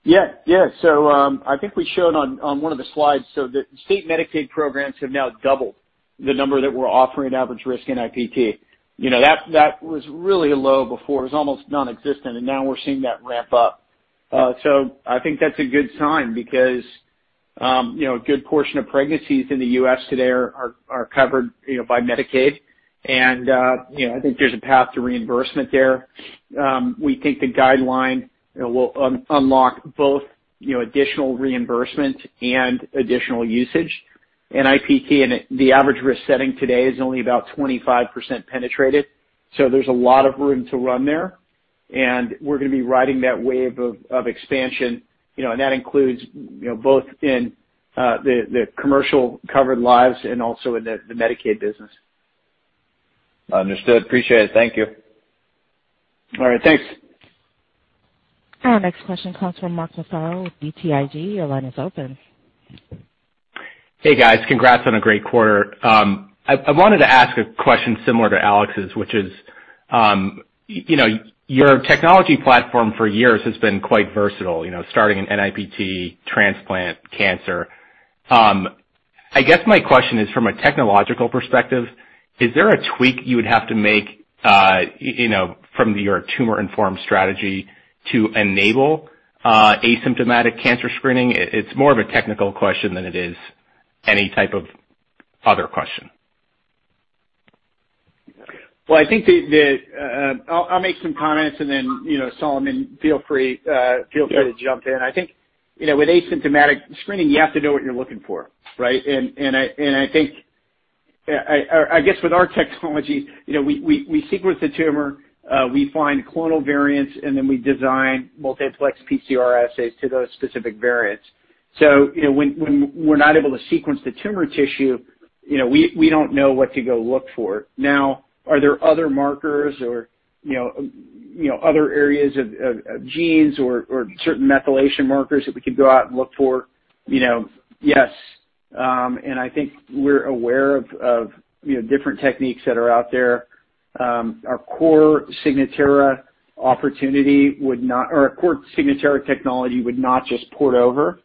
Yeah. I think we showed on one of the slides, the state Medicaid programs have now doubled the number that we're offering average-risk NIPT. That was really low before. It was almost nonexistent. Now we're seeing that ramp up. I think that's a good sign because, a good portion of pregnancies in the U.S. today are covered by Medicaid. I think there's a path to reimbursement there. We think the guideline will unlock both additional reimbursement and additional usage in NIPT. The average-risk setting today is only about 25% penetrated, there's a lot of room to run there. We're going to be riding that wave of expansion, that includes both in the commercial covered lives and also in the Medicaid business. Understood. Appreciate it. Thank you. All right. Thanks. Our next question comes from Mark Massaro with BTIG. Your line is open. Hey, guys. Congrats on a great quarter. I wanted to ask a question similar to Alex's, which is, your technology platform for years has been quite versatile, starting in NIPT, transplant, cancer. I guess my question is, from a technological perspective, is there a tweak you would have to make from your tumor-informed strategy to enable asymptomatic cancer screening? It's more of a technical question than it is any type of other question. Well, I'll make some comments and then, Solomon, feel free to jump in. I think, with asymptomatic screening, you have to know what you're looking for, right? I guess with our technology, we sequence the tumor, we find clonal variants, and then we design multiplex PCR assays to those specific variants. When we're not able to sequence the tumor tissue, we don't know what to go look for. Now, are there other markers or other areas of genes or certain methylation markers that we could go out and look for? Yes. I think we're aware of different techniques that are out there. Our core Signatera technology would not just port over.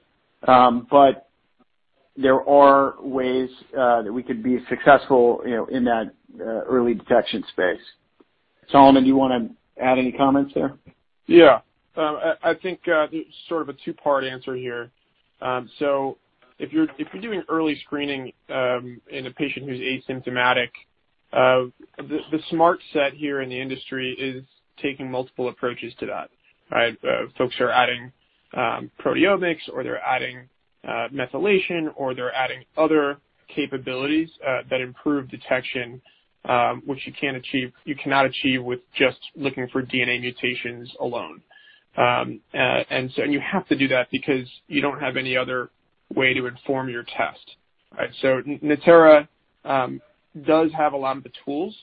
There are ways that we could be successful in that early detection space. Solomon, do you want to add any comments there? Yeah. I think there's sort of a two-part answer here. If you're doing early screening in a patient who's asymptomatic, the smart set here in the industry is taking multiple approaches to that. Right? Folks are adding proteomics or they're adding methylation or they're adding other capabilities that improve detection, which you cannot achieve with just looking for DNA mutations alone. You have to do that because you don't have any other way to inform your test. Right? Natera does have a lot of the tools,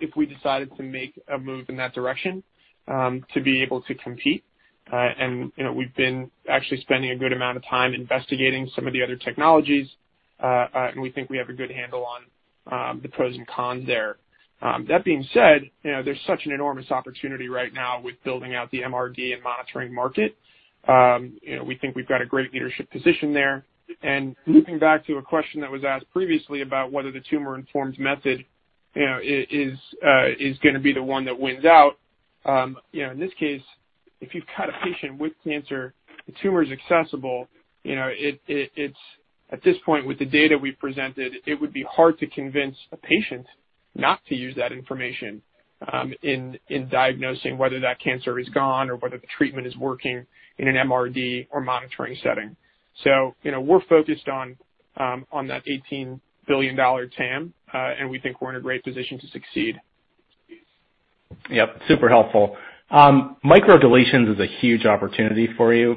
if we decided to make a move in that direction, to be able to compete. We've been actually spending a good amount of time investigating some of the other technologies, and we think we have a good handle on the pros and cons there. That being said, there's such an enormous opportunity right now with building out the MRD and monitoring market. We think we've got a great leadership position there. Looping back to a question that was asked previously about whether the tumor-informed method is going to be the one that wins out, in this case, if you've got a patient with cancer, the tumor is accessible. At this point with the data we've presented, it would be hard to convince a patient not to use that information in diagnosing whether that cancer is gone or whether the treatment is working in an MRD or monitoring setting. We're focused on that $18 billion TAM, and we think we're in a great position to succeed. Yep. Super helpful. Microdeletions is a huge opportunity for you.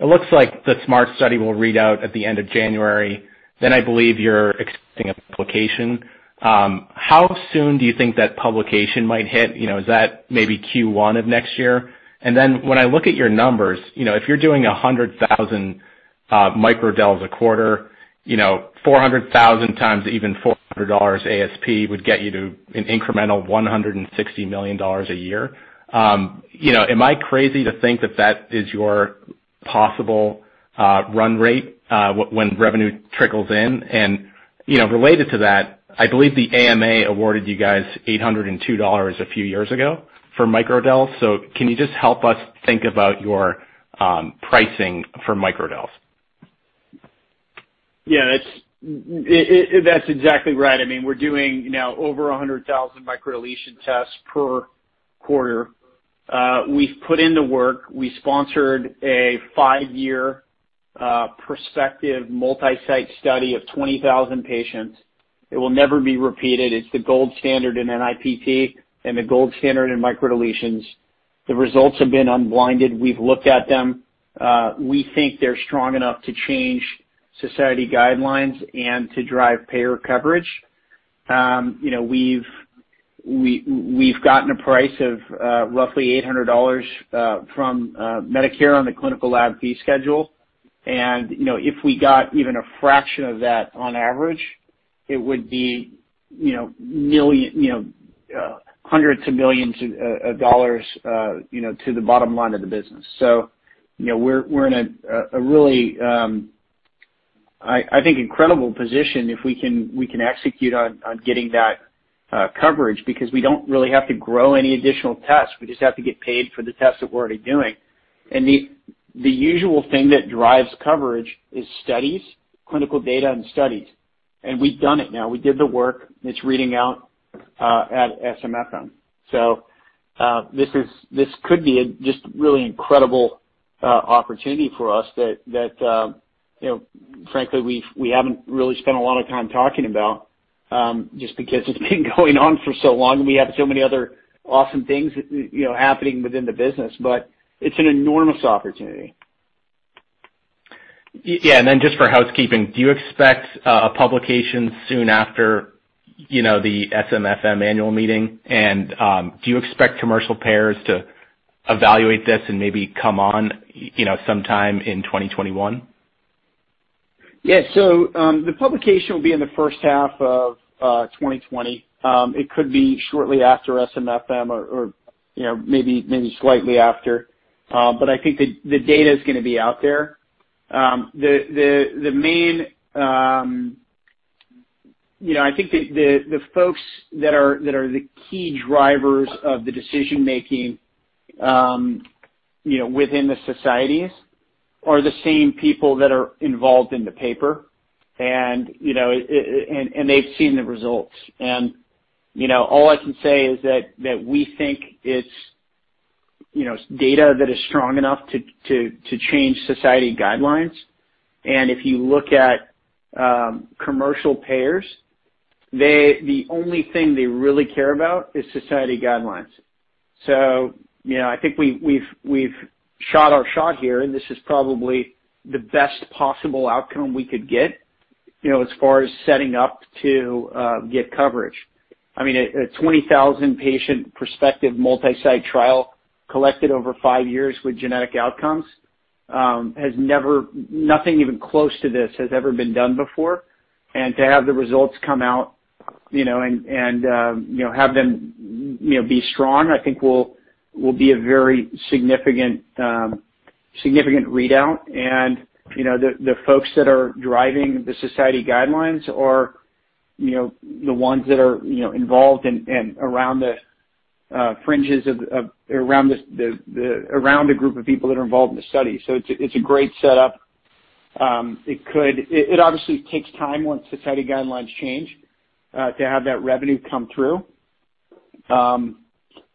It looks like the SMART study will read out at the end of January, then I believe you're expecting a publication. How soon do you think that publication might hit? Is that maybe Q1 of next year? When I look at your numbers, if you're doing 100,000 microdels a quarter, 400,000 times even $400 ASP would get you to an incremental $160 million a year. Am I crazy to think that that is your possible run rate, when revenue trickles in? Related to that, I believe the AMA awarded you guys $802 a few years ago for microdels, can you just help us think about your pricing for microdels? Yeah, that's exactly right. We're doing now over 100,000 microdeletion tests per quarter. We've put in the work. We sponsored a five-year, prospective, multi-site study of 20,000 patients. It will never be repeated. It's the gold standard in NIPT and the gold standard in microdeletions. The results have been unblinded. We've looked at them. We think they're strong enough to change society guidelines and to drive payer coverage. We've gotten a price of roughly $800 from Medicare on the clinical lab fee schedule. If we got even a fraction of that on average, it would be hundreds of millions of dollars to the bottom line of the business. We're in a really, I think, incredible position if we can execute on getting that coverage because we don't really have to grow any additional tests. We just have to get paid for the tests that we're already doing. The usual thing that drives coverage is studies, clinical data and studies. We've done it now. We did the work, and it's reading out at SMFM. This could be just a really incredible opportunity for us that, frankly, we haven't really spent a lot of time talking about just because it's been going on for so long and we have so many other awesome things happening within the business. It's an enormous opportunity. Yeah, just for housekeeping, do you expect a publication soon after the SMFM annual meeting? Do you expect commercial payers to evaluate this and maybe come on sometime in 2021? The publication will be in the first half of 2020. It could be shortly after SMFM or maybe slightly after. I think the data is going to be out there. I think the folks that are the key drivers of the decision-making within the societies are the same people that are involved in the paper, and they've seen the results. All I can say is that we think it's data that is strong enough to change society guidelines. If you look at commercial payers, the only thing they really care about is society guidelines. I think we've shot our shot here. This is probably the best possible outcome we could get as far as setting up to get coverage. A 20,000-patient prospective multi-site trial collected over five years with genetic outcomes, nothing even close to this has ever been done before. To have the results come out and have them be strong, I think will be a very significant readout. The folks that are driving the society guidelines are the ones that are involved and around the group of people that are involved in the study. It's a great setup. It obviously takes time once society guidelines change to have that revenue come through.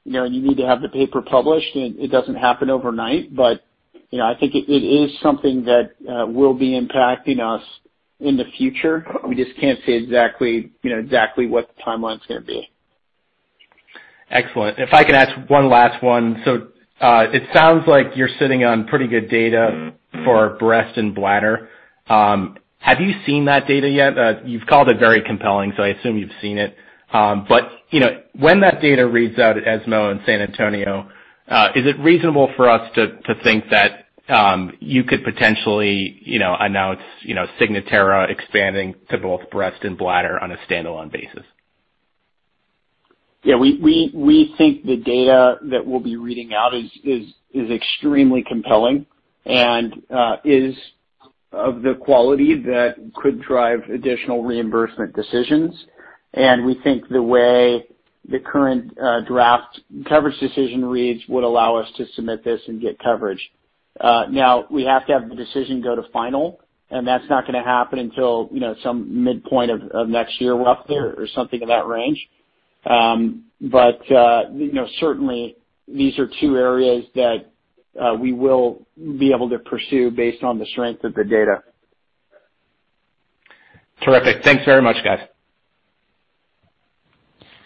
You need to have the paper published, and it doesn't happen overnight. I think it is something that will be impacting us in the future. We just can't say exactly what the timeline's going to be. Excellent. If I could ask one last one. It sounds like you're sitting on pretty good data for breast and bladder. Have you seen that data yet? You've called it very compelling, so I assume you've seen it. When that data reads out at ESMO in San Antonio, is it reasonable for us to think that you could potentially announce Signatera expanding to both breast and bladder on a standalone basis? Yeah, we think the data that we'll be reading out is extremely compelling and is of the quality that could drive additional reimbursement decisions. We think the way the current draft coverage decision reads would allow us to submit this and get coverage. We have to have the decision go to final, and that's not going to happen until some midpoint of next year roughly or something in that range. Certainly these are two areas that we will be able to pursue based on the strength of the data. Terrific. Thanks very much, guys.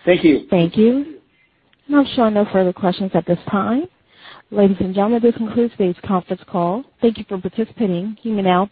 Thank you. Thank you. I'm showing no further questions at this time. Ladies and gentlemen, this concludes today's conference call. Thank you for participating. You may now disconnect.